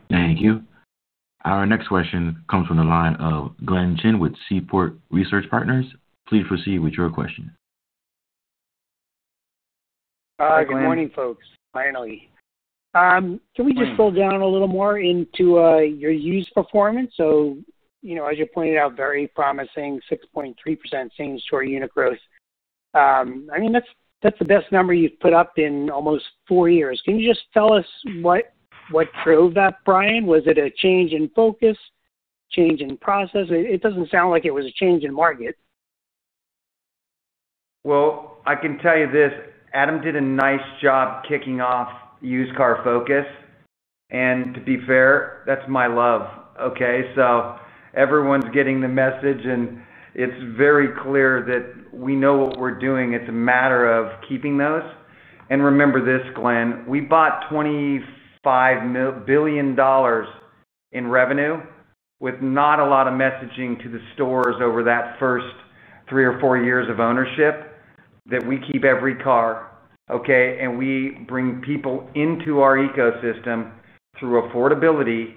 Thank you. Our next question comes from the line of Glenn Chin with Seaport Research Partners. Please proceed with your question.
Hi. Good morning, folks. Can we just drill down a little more into your used performance? As you pointed out, very promising, 6.3% same-store unit growth. That's the best number you've put up in almost four years. Can you just tell us what drove that, Bryan? Was it a change in focus, a change in process? It doesn't sound like it was a change in market.
Adam did a nice job kicking off used car focus. To be fair, that's my love. Everyone's getting the message, and it's very clear that we know what we're doing. It's a matter of keeping those. Remember this, Glenn, we bought 25 billion dollars in revenue with not a lot of messaging to the stores over that first three or four years of ownership that we keep every car. We bring people into our ecosystem through affordability,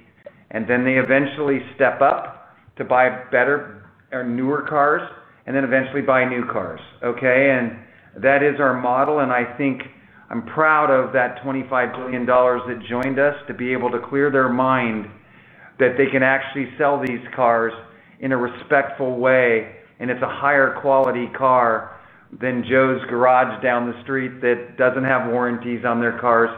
and then they eventually step up to buy better or newer cars, and then eventually buy new cars. That is our model. I think I'm proud of that 25 billion dollars that joined us to be able to clear their mind that they can actually sell these cars in a respectful way. It's a higher quality car than Joe's garage down the street that doesn't have warranties on their cars,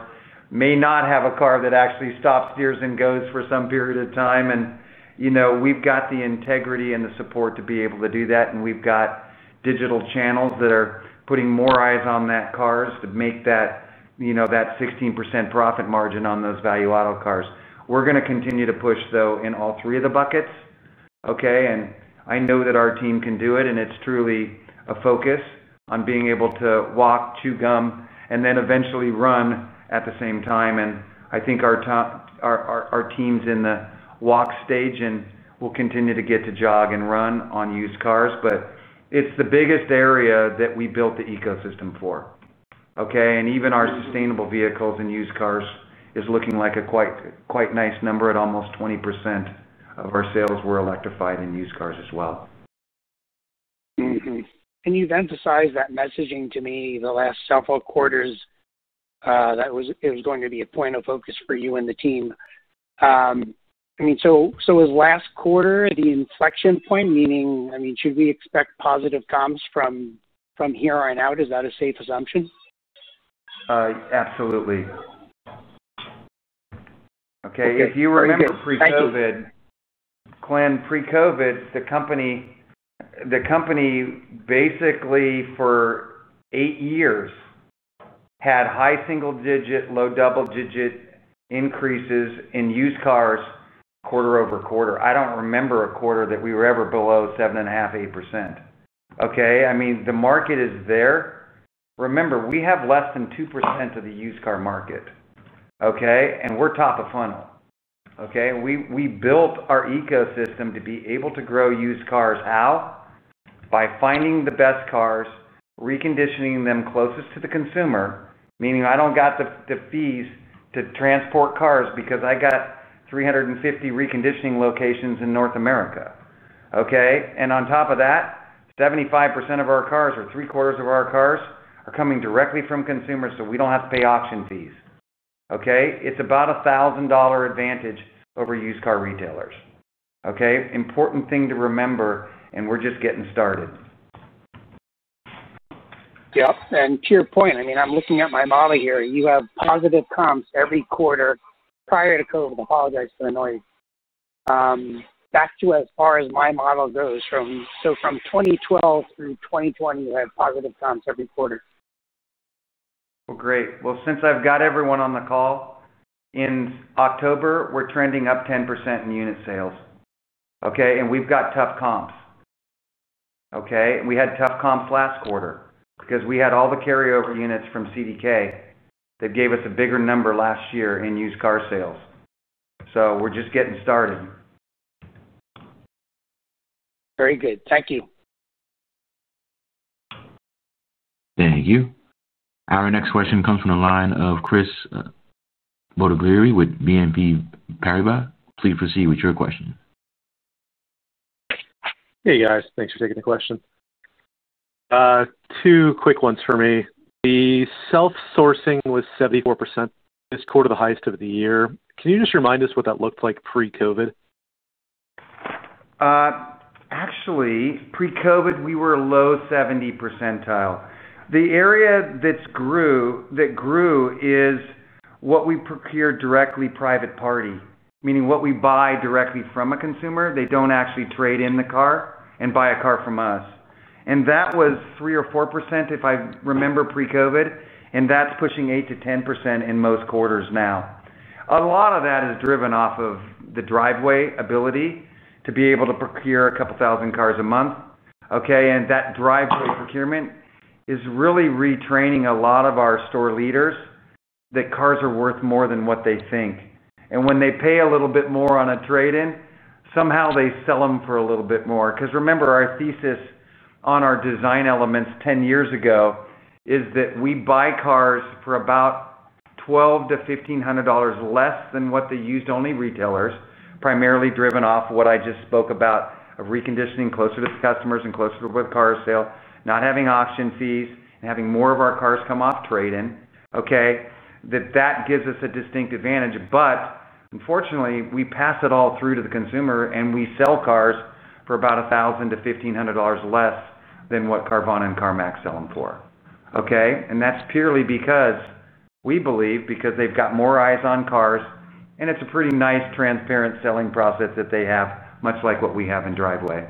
may not have a car that actually stops, steers, and goes for some period of time. You know we've got the integrity and the support to be able to do that. We've got digital channels that are putting more eyes on that cars to make that, you know, that 16% profit margin on those value auto cars. We're going to continue to push, though, in all three of the buckets. I know that our team can do it, and it's truly a focus on being able to walk, chew gum, and then eventually run at the same time. I think our team's in the walk stage and will continue to get to jog and run on used cars. It's the biggest area that we built the ecosystem for. Even our sustainable vehicles and used cars are looking like a quite nice number at almost 20% of our sales were electrified in used cars as well.
You've emphasized that messaging to me the last several quarters that it was going to be a point of focus for you and the team. Was last quarter the inflection point, meaning, should we expect positive comps from here on out? Is that a safe assumption?
Absolutely. Okay. If you remember, pre-COVID, Glenn, pre-COVID, the company basically for eight years had high single-digit, low double-digit increases in used cars quarter over quarter. I don't remember a quarter that we were ever below 7.5% or 8%. The market is there. Remember, we have less than 2% of the used car market. We are top of funnel. We built our ecosystem to be able to grow used cars how? By finding the best cars, reconditioning them closest to the consumer, meaning I don't have the fees to transport cars because I have 350 reconditioning locations in North America. On top of that, 75% of our cars, or three-quarters of our cars, are coming directly from consumers, so we don't have to pay auction fees. It's about a 1,000 dollar advantage over used car retailers. Important thing to remember, and we're just getting started.
Yep. To your point, I mean, I'm looking at my model here. You have positive comps every quarter prior to COVID. Apologize for the noise. Back to as far as my model goes, from 2012 through 2020, you had positive comps every quarter.
Since I've got everyone on the call, in October, we're trending up 10% in unit sales. We've got tough comps, and we had tough comps last quarter because we had all the carryover units from CDK that gave us a bigger number last year in used car sales. We're just getting started.
Very good. Thank you.
Thank you. Our next question comes from the line of Christopher James Bottiglieri with BNP Paribas. Please proceed with your question.
Hey, guys. Thanks for taking the question. Two quick ones for me. The self-sourcing was 74% this quarter, the highest of the year. Can you just remind us what that looked like pre-COVID?
Actually, pre-COVID, we were a low 70% percentile. The area that grew is what we procured directly private party, meaning what we buy directly from a consumer. They don't actually trade in the car and buy a car from us. That was 3% or 4%, if I remember, pre-COVID. That's pushing 8%-10% in most quarters now. A lot of that is driven off of the Driveway ability to be able to procure a couple thousand cars a month. That Driveway procurement is really retraining a lot of our store leaders that cars are worth more than what they think. When they pay a little bit more on a trade-in, somehow they sell them for a little bit more. Remember, our thesis on our design elements 10 years ago is that we buy cars for about 1,200 to 1,500 dollars less than what the used-only retailers, primarily driven off what I just spoke about of reconditioning closer to the customers and closer to what cars sell, not having auction fees and having more of our cars come off trade-in. That gives us a distinct advantage. Unfortunately, we pass it all through to the consumer, and we sell cars for about 1,000-1,500 dollars less than what Carvana and CarMax sell them for. That's purely because we believe they've got more eyes on cars, and it's a pretty nice transparent selling process that they have, much like what we have in Driveway.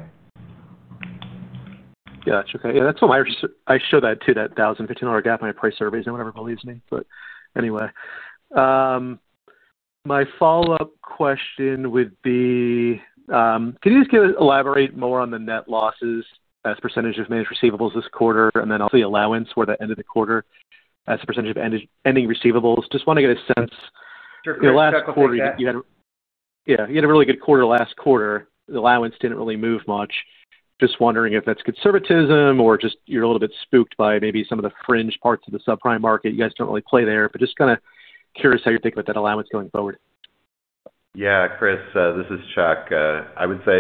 Yeah, that's okay. Yeah, that's what I show too, that 1,000-1,500 dollar gap in my price surveys. No one ever believes me. Anyway, my follow-up question would be, can you just elaborate more on the net losses as a percentage of managed receivables this quarter? Also, the allowance for the end of the quarter as a percentage of ending receivables. Just want to get a sense.
Sure.
Your last quarter, you had a really good quarter last quarter. The allowance didn't really move much. Just wondering if that's conservatism or just you're a little bit spooked by maybe some of the fringe parts of the subprime market. You guys don't really play there, but just kind of curious how you think about that allowance going forward.
Yeah, Chris, this is Chuck. I would say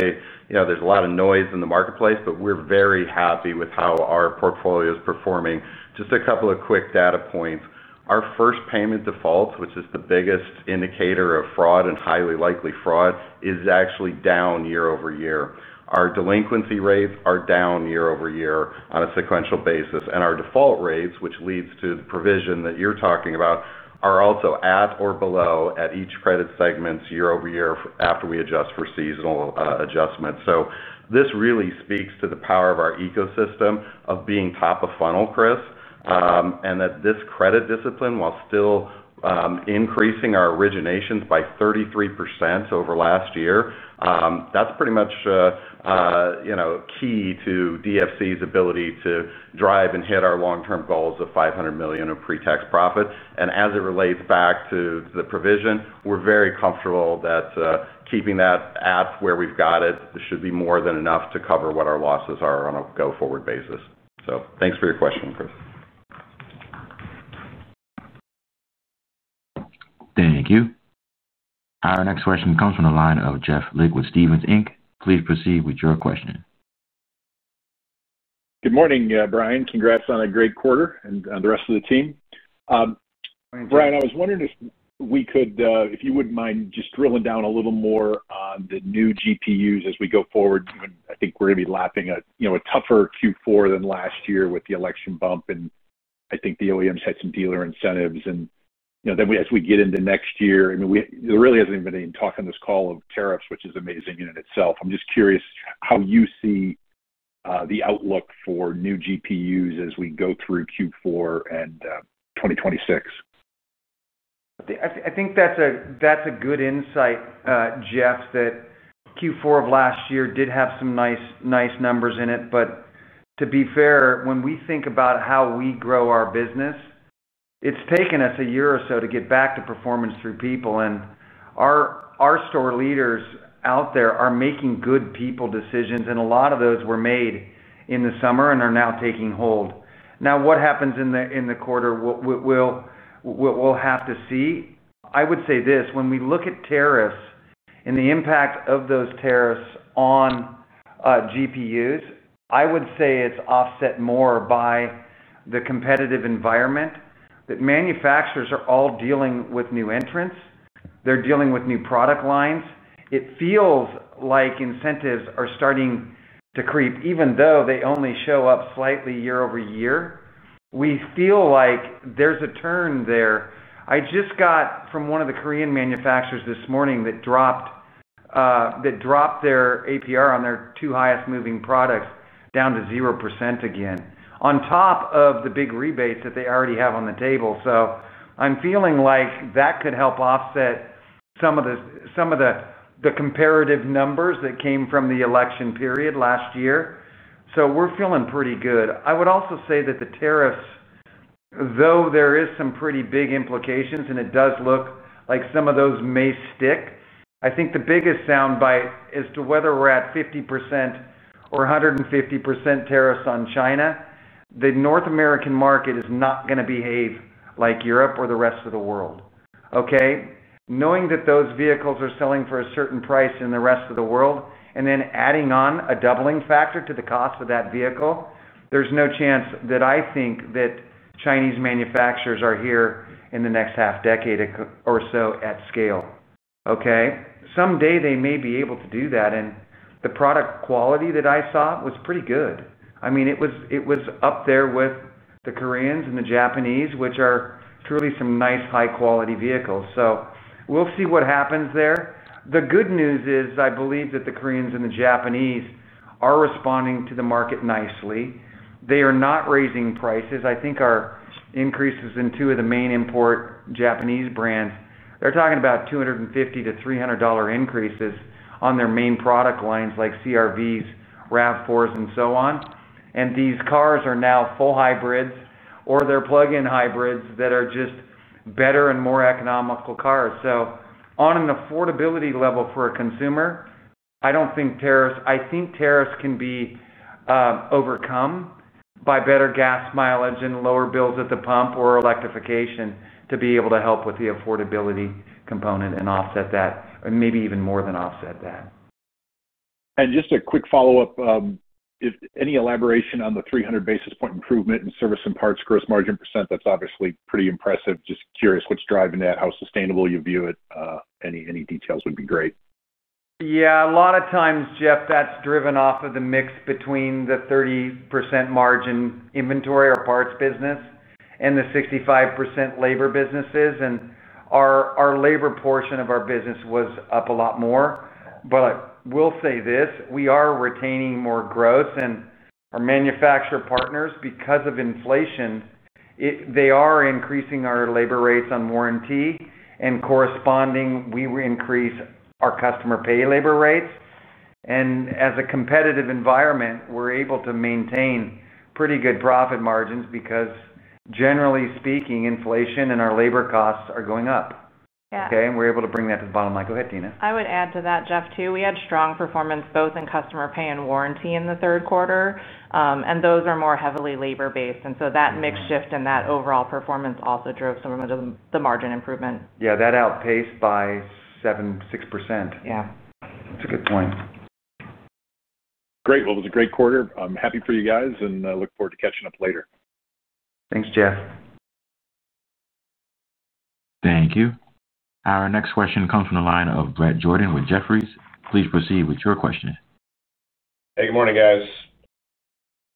you know there's a lot of noise in the marketplace, but we're very happy with how our portfolio is performing. Just a couple of quick data points. Our first payment defaults, which is the biggest indicator of fraud and highly likely fraud, is actually down year over year. Our delinquency rates are down year over year on a sequential basis. Our default rates, which leads to the provision that you're talking about, are also at or below at each credit segment year over year after we adjust for seasonal adjustments. This really speaks to the power of our ecosystem of being top of funnel, Chris, and that this credit discipline, while still increasing our originations by 33% over last year, that's pretty much key to DFC's ability to drive and hit our long-term goals of 500 million of pre-tax profit. As it relates back to the provision, we're very comfortable that keeping that at where we've got it should be more than enough to cover what our losses are on a go-forward basis. Thanks for your question, Chris.
Thank you. Our next question comes from the line of Jeffrey Lick with Stephens Inc. Please proceed with your question.
Good morning, Bryan. Congrats on a great quarter and the rest of the team. Bryan, I was wondering if you wouldn't mind just drilling down a little more on the new GPUs as we go forward. I think we're going to be lapping a tougher Q4 than last year with the election bump. I think the OEMs had some dealer incentives. As we get into next year, there really hasn't even been any talk on this call of tariffs, which is amazing in and of itself. I'm just curious how you see the outlook for new GPUs as we go through Q4 and 2026.
I think that's a good insight, Jeff, that Q4 of last year did have some nice numbers in it. To be fair, when we think about how we grow our business, it's taken us a year or so to get back to performance through people. Our store leaders out there are making good people decisions, and a lot of those were made in the summer and are now taking hold. What happens in the quarter we'll have to see. I would say this: when we look at tariffs and the impact of those tariffs on GPUs, I would say it's offset more by the competitive environment that manufacturers are all dealing with new entrants. They're dealing with new product lines. It feels like incentives are starting to creep, even though they only show up slightly year over year. We feel like there's a turn there. I just got from one of the Korean manufacturers this morning that dropped their APR on their two highest moving products down to 0% again, on top of the big rebates that they already have on the table. I'm feeling like that could help offset some of the comparative numbers that came from the election period last year. We're feeling pretty good. I would also say that the tariffs, though there are some pretty big implications and it does look like some of those may stick, I think the biggest sound bite as to whether we're at 50% or 150% tariffs on China, the North American market is not going to behave like Europe or the rest of the world. Knowing that those vehicles are selling for a certain price in the rest of the world and then adding on a doubling factor to the cost of that vehicle, there's no chance that I think that Chinese manufacturers are here in the next half decade or so at scale. Someday they may be able to do that. The product quality that I saw was pretty good. It was up there with the Koreans and the Japanese, which are truly some nice high-quality vehicles. We'll see what happens there. The good news is I believe that the Koreans and the Japanese are responding to the market nicely. They are not raising prices. I think our increases in two of the main import Japanese brands, they're talking about 250 to 300 dollar increases on their main product lines like CRVs, RAV4s, and so on. These cars are now full hybrids or they're plug-in hybrids that are just better and more economical cars. On an affordability level for a consumer, I don't think tariffs—I think tariffs can be overcome by better gas mileage and lower bills at the pump or electrification to be able to help with the affordability component and offset that, or maybe even more than offset that.
Just a quick follow-up. If any elaboration on the 300 basis point improvement in service and parts gross margin %, that's obviously pretty impressive. Just curious what's driving that, how sustainable you view it. Any details would be great.
Yeah. A lot of times, Jeff, that's driven off of the mix between the 30% margin inventory or parts business and the 65% labor businesses. Our labor portion of our business was up a lot more. We'll say this. We are retaining more growth. Our manufacturer partners, because of inflation, are increasing our labor rates on warranty and correspondingly increase our customer pay labor rates. In a competitive environment, we're able to maintain pretty good profit margins because, generally speaking, inflation and our labor costs are going up. Yeah. We're able to bring that to the bottom line. Go ahead, Tina.
I would add to that, Jeff, too. We had strong performance both in customer pay and warranty in the third quarter. Those are more heavily labor-based, so that mix shift in that overall performance also drove some of the margin improvement.
Yeah, that outpaced by 7%, 6%.
Yeah. That's a good point.
Great. It was a great quarter. I'm happy for you guys and look forward to catching up later.
Thanks, Jeff.
Thank you. Our next question comes from the line of Brett Jordan with Jefferies. Please proceed with your question.
Hey, good morning, guys.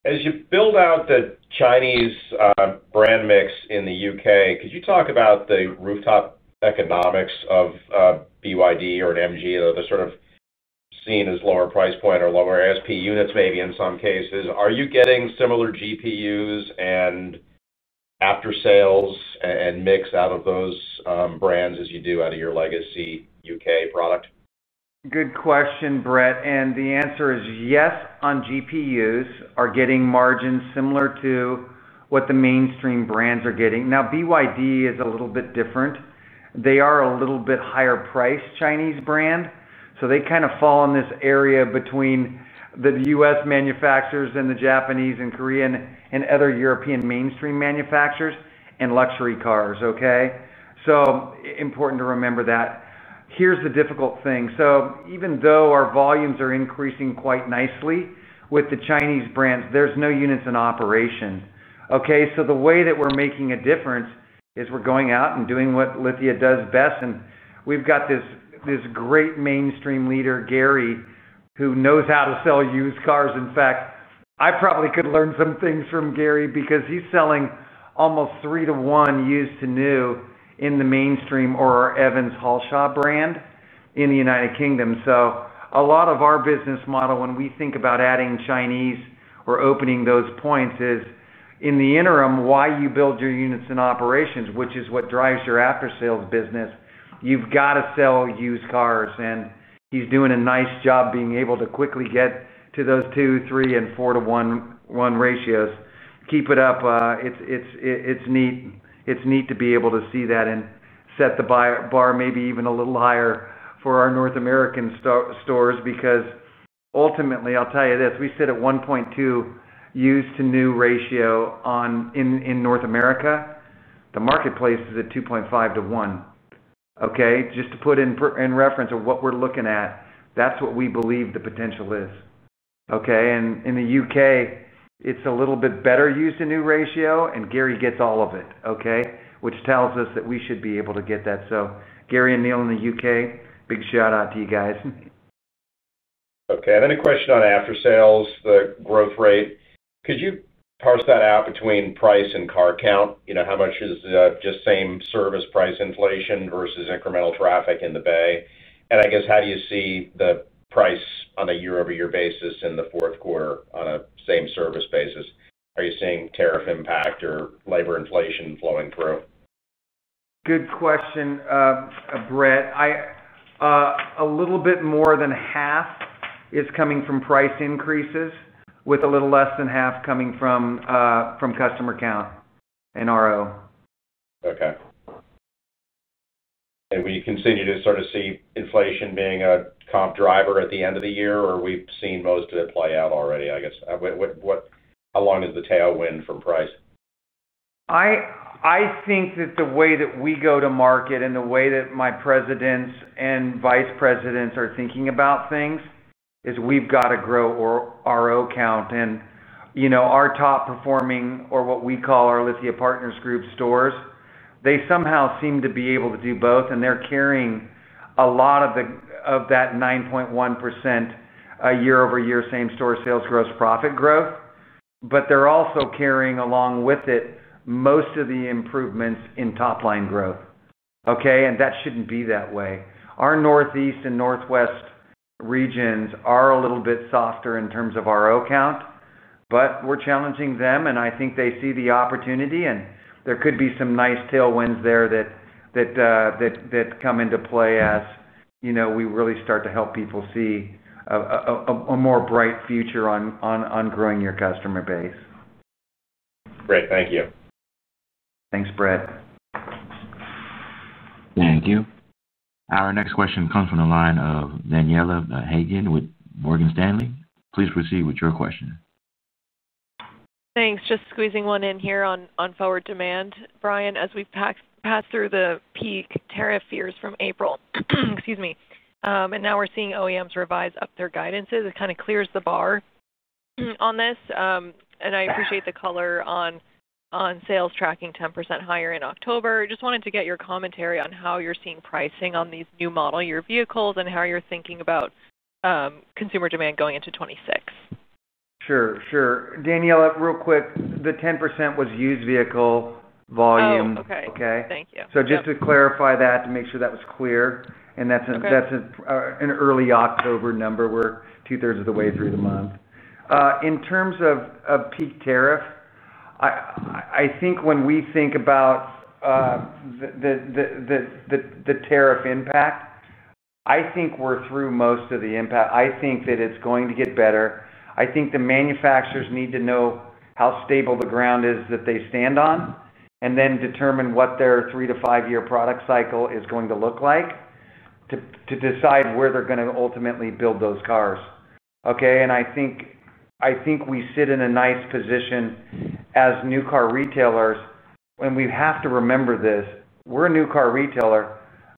As you build out the Chinese brand mix in the UK, could you talk about the rooftop economics of BYD or an MG, though they're sort of seen as lower price point or lower ASP units maybe in some cases? Are you getting similar GPUs and after-sales and mix out of those brands as you do out of your legacy UK product?
Good question, Brett. The answer is yes, on GPUs are getting margins similar to what the mainstream brands are getting. Now, BYD is a little bit different. They are a little bit higher priced Chinese brand. They kind of fall in this area between the U.S. manufacturers and the Japanese and Korean and other European mainstream manufacturers and luxury cars. It is important to remember that. Here's the difficult thing. Even though our volumes are increasing quite nicely with the Chinese brands, there's no units in operation. The way that we're making a difference is we're going out and doing what Lithia does best. We've got this great mainstream leader, Gary, who knows how to sell used cars. In fact, I probably could learn some things from Gary because he's selling almost three to one used to new in the mainstream or our Evans Halshaw brand in the United Kingdom. A lot of our business model, when we think about adding Chinese or opening those points, is in the interim, while you build your units in operations, which is what drives your after-sales business, you've got to sell used cars. He's doing a nice job being able to quickly get to those two, three, and four to one ratios. Keep it up. It's neat to be able to see that and set the bar maybe even a little higher for our North American stores because ultimately, I'll tell you this, we sit at 1.2 used to new ratio in North America. The marketplace is at 2.5 to 1. Just to put in reference of what we're looking at, that's what we believe the potential is. In the UK, it's a little bit better used to new ratio, and Gary gets all of it, which tells us that we should be able to get that. So Gary and Neil in the UK, big shout out to you guys.
Okay. I have a question on after-sales, the growth rate. Could you parse that out between price and car count? You know, how much is just same service price inflation versus incremental traffic in the bay? I guess, how do you see the price on a year? basis in the fourth quarter on a same service basis. Are you seeing tariff impact or labor inflation flowing through?
Good question, Brett. A little bit more than half is coming from price increases, with a little less than half coming from customer count and RO.
Okay. Do we continue to sort of see inflation being a comp driver at the end of the year, or have we seen most of it play out already? I guess, how long is the tailwind from price?
I think that the way that we go to market and the way that my Presidents and Vice Presidents are thinking about things is we've got to grow our RO count. You know our top performing, or what we call our Lithia Partners Group stores, they somehow seem to be able to do both. They're carrying a lot of that 9.1% year-over-year same store sales gross profit growth. They're also carrying along with it most of the improvements in top-line growth. That shouldn't be that way. Our Northeast and Northwest regions are a little bit softer in terms of RO count, but we're challenging them. I think they see the opportunity, and there could be some nice tailwinds there that come into play as you know we really start to help people see a more bright future on growing your customer base.
Great. Thank you.
Thanks, Brett
Thank you. Our next question comes from the line of Daniela Haigian with Morgan Stanley. Please proceed with your question.
Thanks. Just squeezing one in here on forward demand. Bryan, as we passed through the peak tariff fears from April, excuse me, and now we're seeing OEMs revise up their guidances, it kind of clears the bar on this. I appreciate the color on sales tracking 10% higher in October. I just wanted to get your commentary on how you're seeing pricing on these new model year vehicles and how you're thinking about consumer demand going into 2026.
Sure. Daniela, real quick, the 10% was used vehicle volume.
Oh, okay.
Okay?
Thank you.
Just to clarify that to make sure that was clear, that's an early October number. We're two-thirds of the way through the month. In terms of peak tariff, when we think about the tariff impact, I think we're through most of the impact. It's going to get better. I think the manufacturers need to know how stable the ground is that they stand on and then determine what their three-to-five-year product cycle is going to look like to decide where they're going to ultimately build those cars. I think we sit in a nice position as new car retailers. We have to remember this. We're a new car retailer,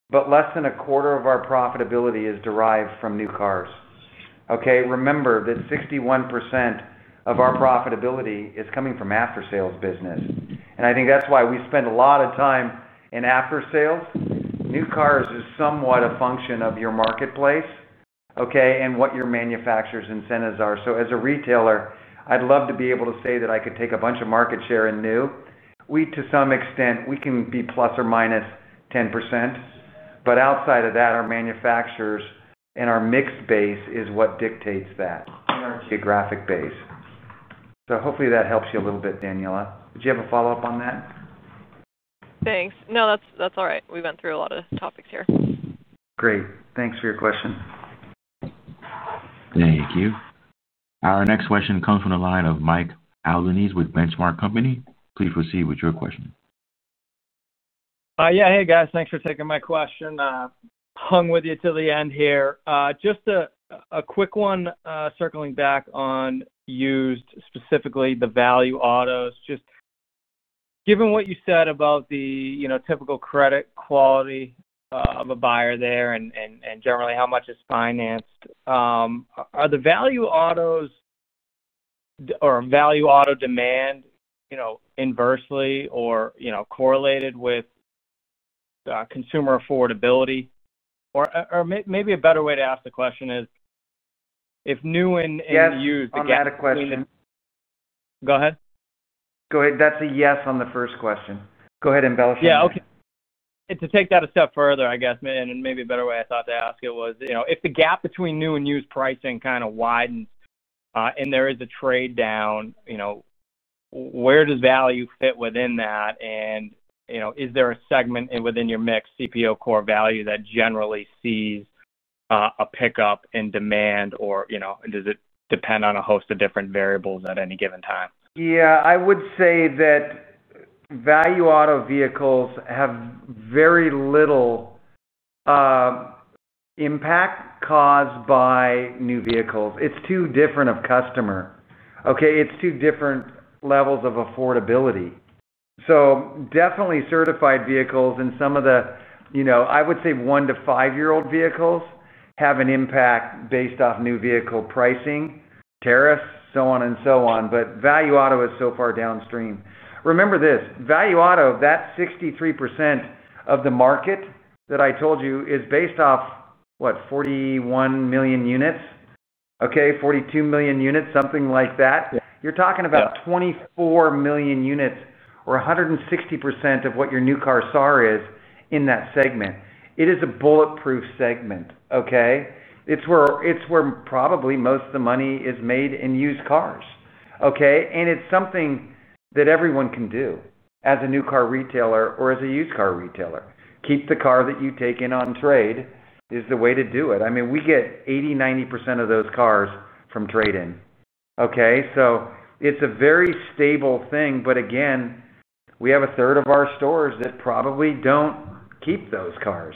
but less than a quarter of our profitability is derived from new cars. Remember that 61% of our profitability is coming from after-sales business. That's why we spend a lot of time in after-sales. New cars is somewhat a function of your marketplace and what your manufacturer incentives are. As a retailer, I'd love to be able to say that I could take a bunch of market share in new. To some extent, we can be plus or minus 10%. Outside of that, our manufacturers and our mixed base is what dictates that in our geographic base. Hopefully, that helps you a little bit, Daniela. Did you have a follow-up on that?
Thanks. No, that's all right. We went through a lot of topics here.
Great. Thanks for your question.
Thank you. Our next question comes from the line of Michael Albanese with Benchmark Company. Please proceed with your question.
Yeah. Hey, guys. Thanks for taking my question. Hung with you till the end here. Just a quick one circling back on used, specifically the value autos. Given what you said about the typical credit quality of a buyer there and generally how much is financed, are the value autos or value auto demand inversely or correlated with consumer affordability? Or maybe a better way to ask the question is if new and used gap between.
Yes, I had a question.
Go ahead.
That's a yes on the first question. Go ahead, embellish it.
Yeah. Okay. To take that a step further, I guess, and maybe a better way I thought to ask it was, you know, if the gap between new and used pricing kind of widens and there is a trade down, where does value fit within that? Is there a segment within your mixed CPO core value that generally sees a pickup in demand? Or does it depend on a host of different variables at any given time?
Yeah. I would say that value auto vehicles have very little impact caused by new vehicles. It's too different of customer. Okay? It's two different levels of affordability. Definitely certified vehicles and some of the, you know, I would say one-to-five-year-old vehicles have an impact based off new vehicle pricing, tariffs, so on and so on. Value auto is so far downstream. Remember this. Value auto, that 63% of the market that I told you is based off, what, 41 million units? Okay? 42 million units, something like that. You're talking about 24 million units or 160% of what your new car SAR is in that segment. It is a bulletproof segment. It's where probably most of the money is made in used cars. It's something that everyone can do as a new car retailer or as a used car retailer. Keep the car that you take in on trade is the way to do it. I mean, we get 80%, 90% of those cars from trade-in. It's a very stable thing. Again, we have a third of our stores that probably don't keep those cars.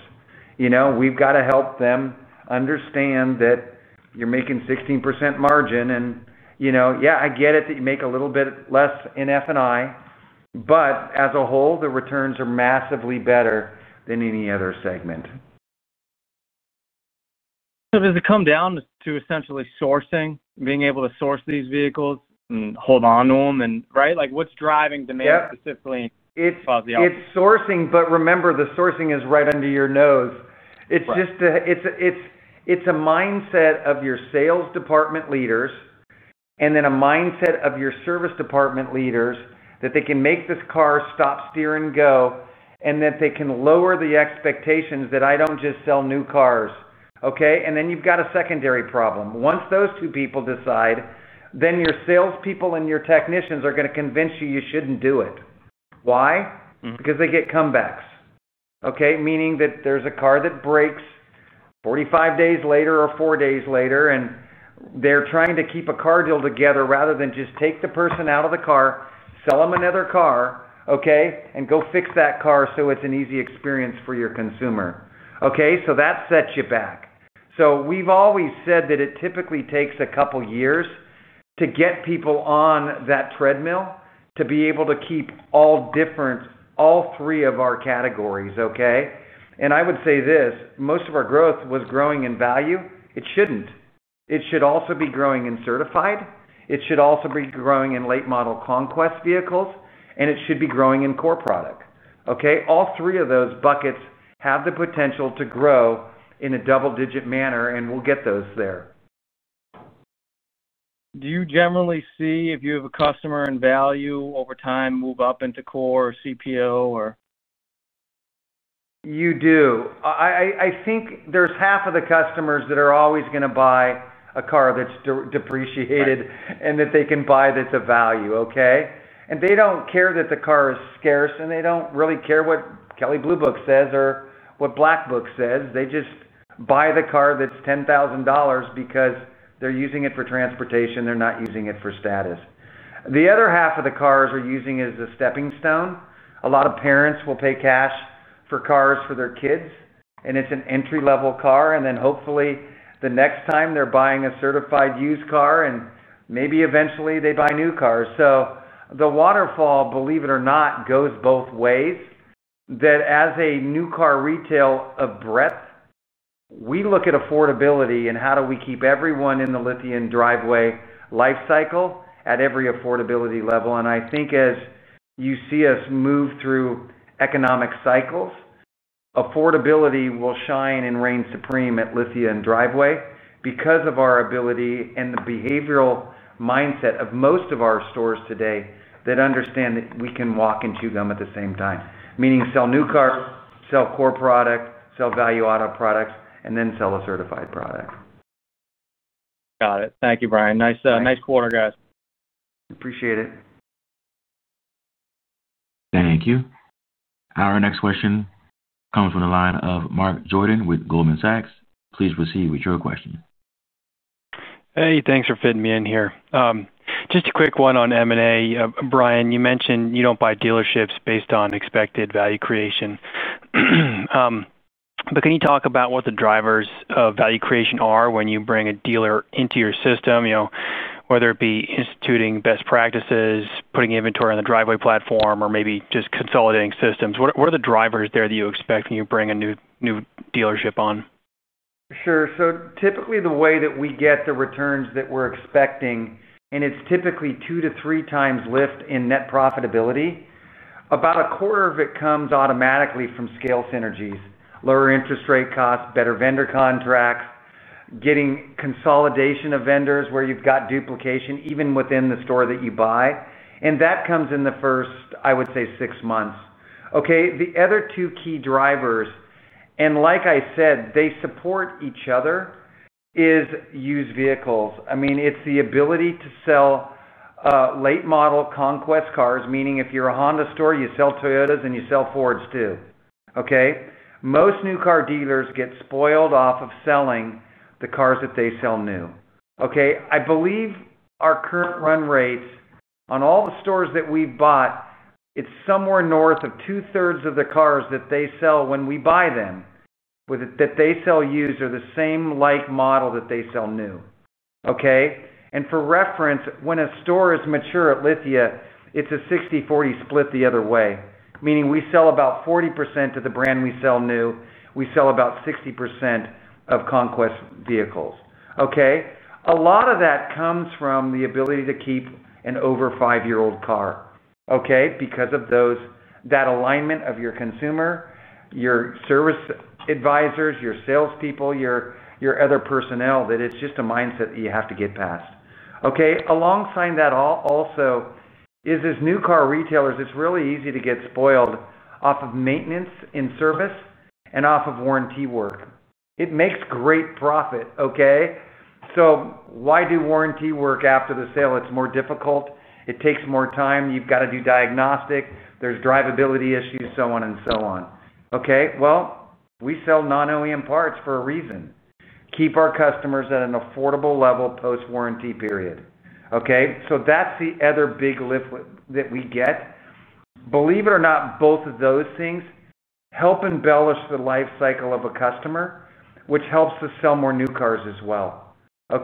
We've got to help them understand that you're making 16% margin. You know, yeah, I get it that you make a little bit less in F&I. As a whole, the returns are massively better than any other segment.
Does it come down to essentially sourcing, being able to source these vehicles and hold on to them? Right? Like what's driving demand specifically in cars?
Yeah. It's sourcing. Remember, the sourcing is right under your nose. It's just a mindset of your Sales Department leaders and then a mindset of your Service Department leaders that they can make this car stop, steer, and go, and that they can lower the expectations that I don't just sell new cars. Okay? Then you've got a secondary problem. Once those two people decide, your salespeople and your technicians are going to convince you you shouldn't do it. Why? Because they get comebacks. Okay? Meaning that there's a car that breaks 45 days later or 4 days later, and they're trying to keep a car deal together rather than just take the person out of the car, sell them another car, and go fix that car so it's an easy experience for your consumer. Okay? That sets you back. We've always said that it typically takes a couple of years to get people on that treadmill to be able to keep all different, all three of our categories. Okay? I would say this. Most of our growth was growing in value. It shouldn't. It should also be growing in certified. It should also be growing in late model conquest vehicles. It should be growing in core product. Okay? All three of those buckets have the potential to grow in a double-digit manner, and we'll get those there.
Do you generally see, if you have a customer in value, over time, move up into core or CPO?
You do. I think there's half of the customers that are always going to buy a car that's depreciated and that they can buy that's of value. They don't care that the car is scarce, and they don't really care what Kelley Blue Book says or what Black Book says. They just buy the car that's 10,000 dollars because they're using it for transportation. They're not using it for status. The other half of the cars are using it as a stepping stone. A lot of parents will pay cash for cars for their kids, and it's an entry-level car. Hopefully, the next time they're buying a certified used car, and maybe eventually they buy new cars. The waterfall, believe it or not, goes both ways. As a new car retail of breadth, we look at affordability and how do we keep everyone in the Lithia Driveway life cycle at every affordability level. I think as you see us move through economic cycles, affordability will shine and reign supreme at Lithia Driveway because of our ability and the behavioral mindset of most of our stores today that understand that we can walk and chew gum at the same time, meaning sell new cars, sell core product, sell value auto products, and then sell a certified product.
Got it. Thank you, Bryan. Nice quarter, guys.
Appreciate it.
Thank you. Our next question comes from the line of Mark Jordan with Goldman Sachs. Please proceed with your question.
Hey, thanks for fitting me in here. Just a quick one on M&A. Bryan, you mentioned you don't buy dealerships based on expected value creation. Can you talk about what the drivers of value creation are when you bring a dealer into your system, whether it be instituting best practices, putting inventory on the Driveway platform, or maybe just consolidating systems? What are the drivers there that you expect when you bring a new dealership on?
Sure. Typically, the way that we get the returns that we're expecting, and it's typically two to three times lift in net profitability, about a quarter of it comes automatically from scale synergies, lower interest rate costs, better vendor contracts, getting consolidation of vendors where you've got duplication even within the store that you buy. That comes in the first, I would say, six months. The other two key drivers, and like I said, they support each other, is used vehicles. I mean, it's the ability to sell late model conquest cars, meaning if you're a Honda store, you sell Toyotas and you sell Fords too. Most new car dealers get spoiled off of selling the cars that they sell new. I believe our current run rates on all the stores that we've bought, it's somewhere north of two-thirds of the cars that they sell when we buy them with it that they sell used are the same like model that they sell new. For reference, when a store is mature at Lithia, it's a 60/40 split the other way, meaning we sell about 40% of the brand we sell new. We sell about 60% of conquest vehicles. A lot of that comes from the ability to keep an over five-year-old car. Because of that alignment of your consumer, your service advisors, your salespeople, your other personnel, it's just a mindset that you have to get past. Alongside that also is as new car retailers, it's really easy to get spoiled off of maintenance and service and off of warranty work. It makes great profit. Why do warranty work after the sale? It's more difficult. It takes more time. You've got to do diagnostic. There's drivability issues, so on and so on. We sell non-OEM parts for a reason. Keep our customers at an affordable level post-warranty period. That's the other big lift that we get. Believe it or not, both of those things help embellish the life cycle of a customer, which helps us sell more new cars as well. We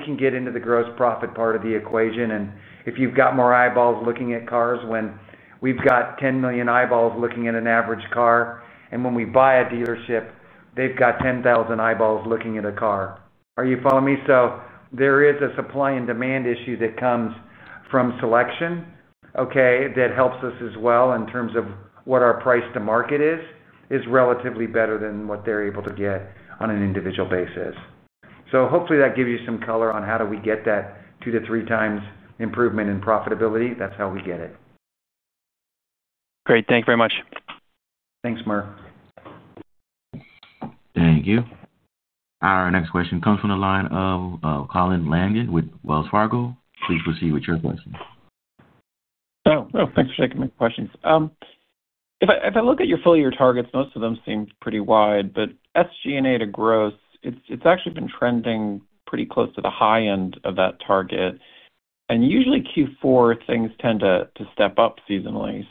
can get into the gross profit part of the equation. If you've got more eyeballs looking at cars, when we've got 10 million eyeballs looking at an average car, and when we buy a dealership, they've got 10,000 eyeballs looking at a car. Are you following me? There is a supply and demand issue that comes from selection that helps us as well in terms of what our price to market is, is relatively better than what they're able to get on an individual basis. Hopefully, that gives you some color on how do we get that two to three times improvement in profitability. That's how we get it.
Great. Thank you very much.
Thanks, Mark.
Thank you. Our next question comes from the line of Colin Langan with Wells Fargo. Please proceed with your question.
Thanks for taking my questions. If I look at your full-year targets, most of them seem pretty wide. SG&A to gross has actually been trending pretty close to the high end of that target. Usually, Q4 tends to step up seasonally.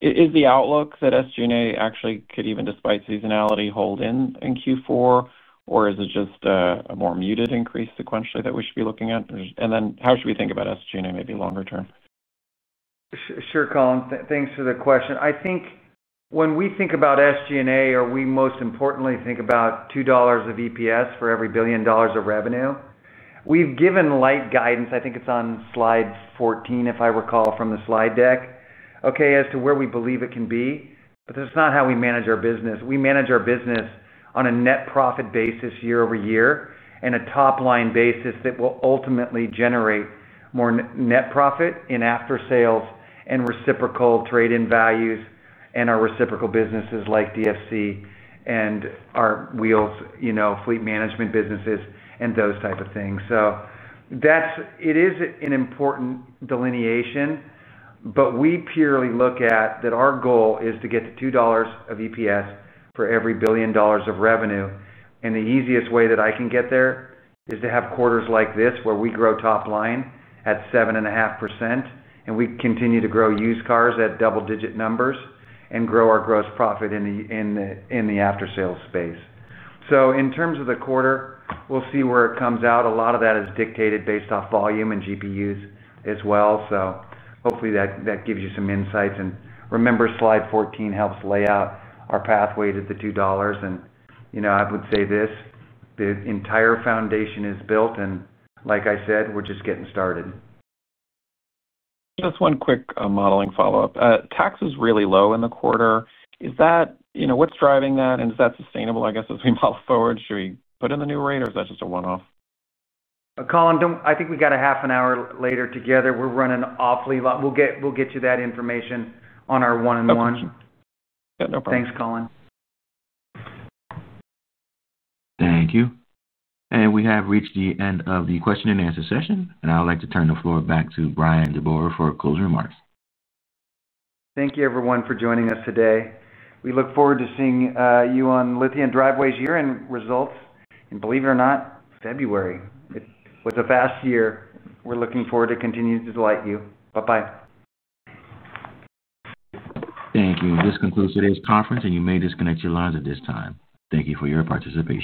Is the outlook that SG&A actually could, even despite seasonality, hold in in Q4? Is it just a more muted increase sequentially that we should be looking at? How should we think about SG&A, maybe longer term?
Sure, Colin. Thanks for the question. I think when we think about SG&A, or we most importantly think about 2 dollars of EPS for every billion dollars of revenue, we've given light guidance. I think it's on slide 14, if I recall, from the slide deck, as to where we believe it can be. That's not how we manage our business. We manage our business on a net profit basis year over year and a top-line basis that will ultimately generate more net profit in after-sales and reciprocal trade-in values and our reciprocal businesses like DFC and our wheels, fleet management businesses and those types of things. That is an important delineation. We purely look at that our goal is to get to 2 dollars of EPS for every billion dollars of revenue. The easiest way that I can get there is to have quarters like this where we grow top-line at 7.5% and we continue to grow used cars at double-digit numbers and grow our gross profit in the after-sales space. In terms of the quarter, we'll see where it comes out. A lot of that is dictated based off volume and GPUs as well. Hopefully, that gives you some insights. Remember, slide 14 helps lay out our pathway to the 2 dollars. I would say this. The entire foundation is built. Like I said, we're just getting started.
Just one quick modeling follow-up. Tax is really low in the quarter. Is that, you know, what's driving that? Is that sustainable, I guess, as we model forward? Should we put in the new rate, or is that just a one-off?
Colin, I think we got a half an hour later together. We're running awfully long. We'll get you that information on our one-on-one.
Okay, yeah, no problem.
Thanks, Colin.
Thank you. We have reached the end of the question and answer session. I would like to turn the floor back to Bryan DeBoer for closing remarks.
Thank you, everyone, for joining us today. We look forward to seeing you on Lithia Driveway's year-end results. Believe it or not, February was a fast year. We're looking forward to continuing to delight you. Bye-bye.
Thank you. This concludes today's conference, and you may disconnect your lines at this time. Thank you for your participation.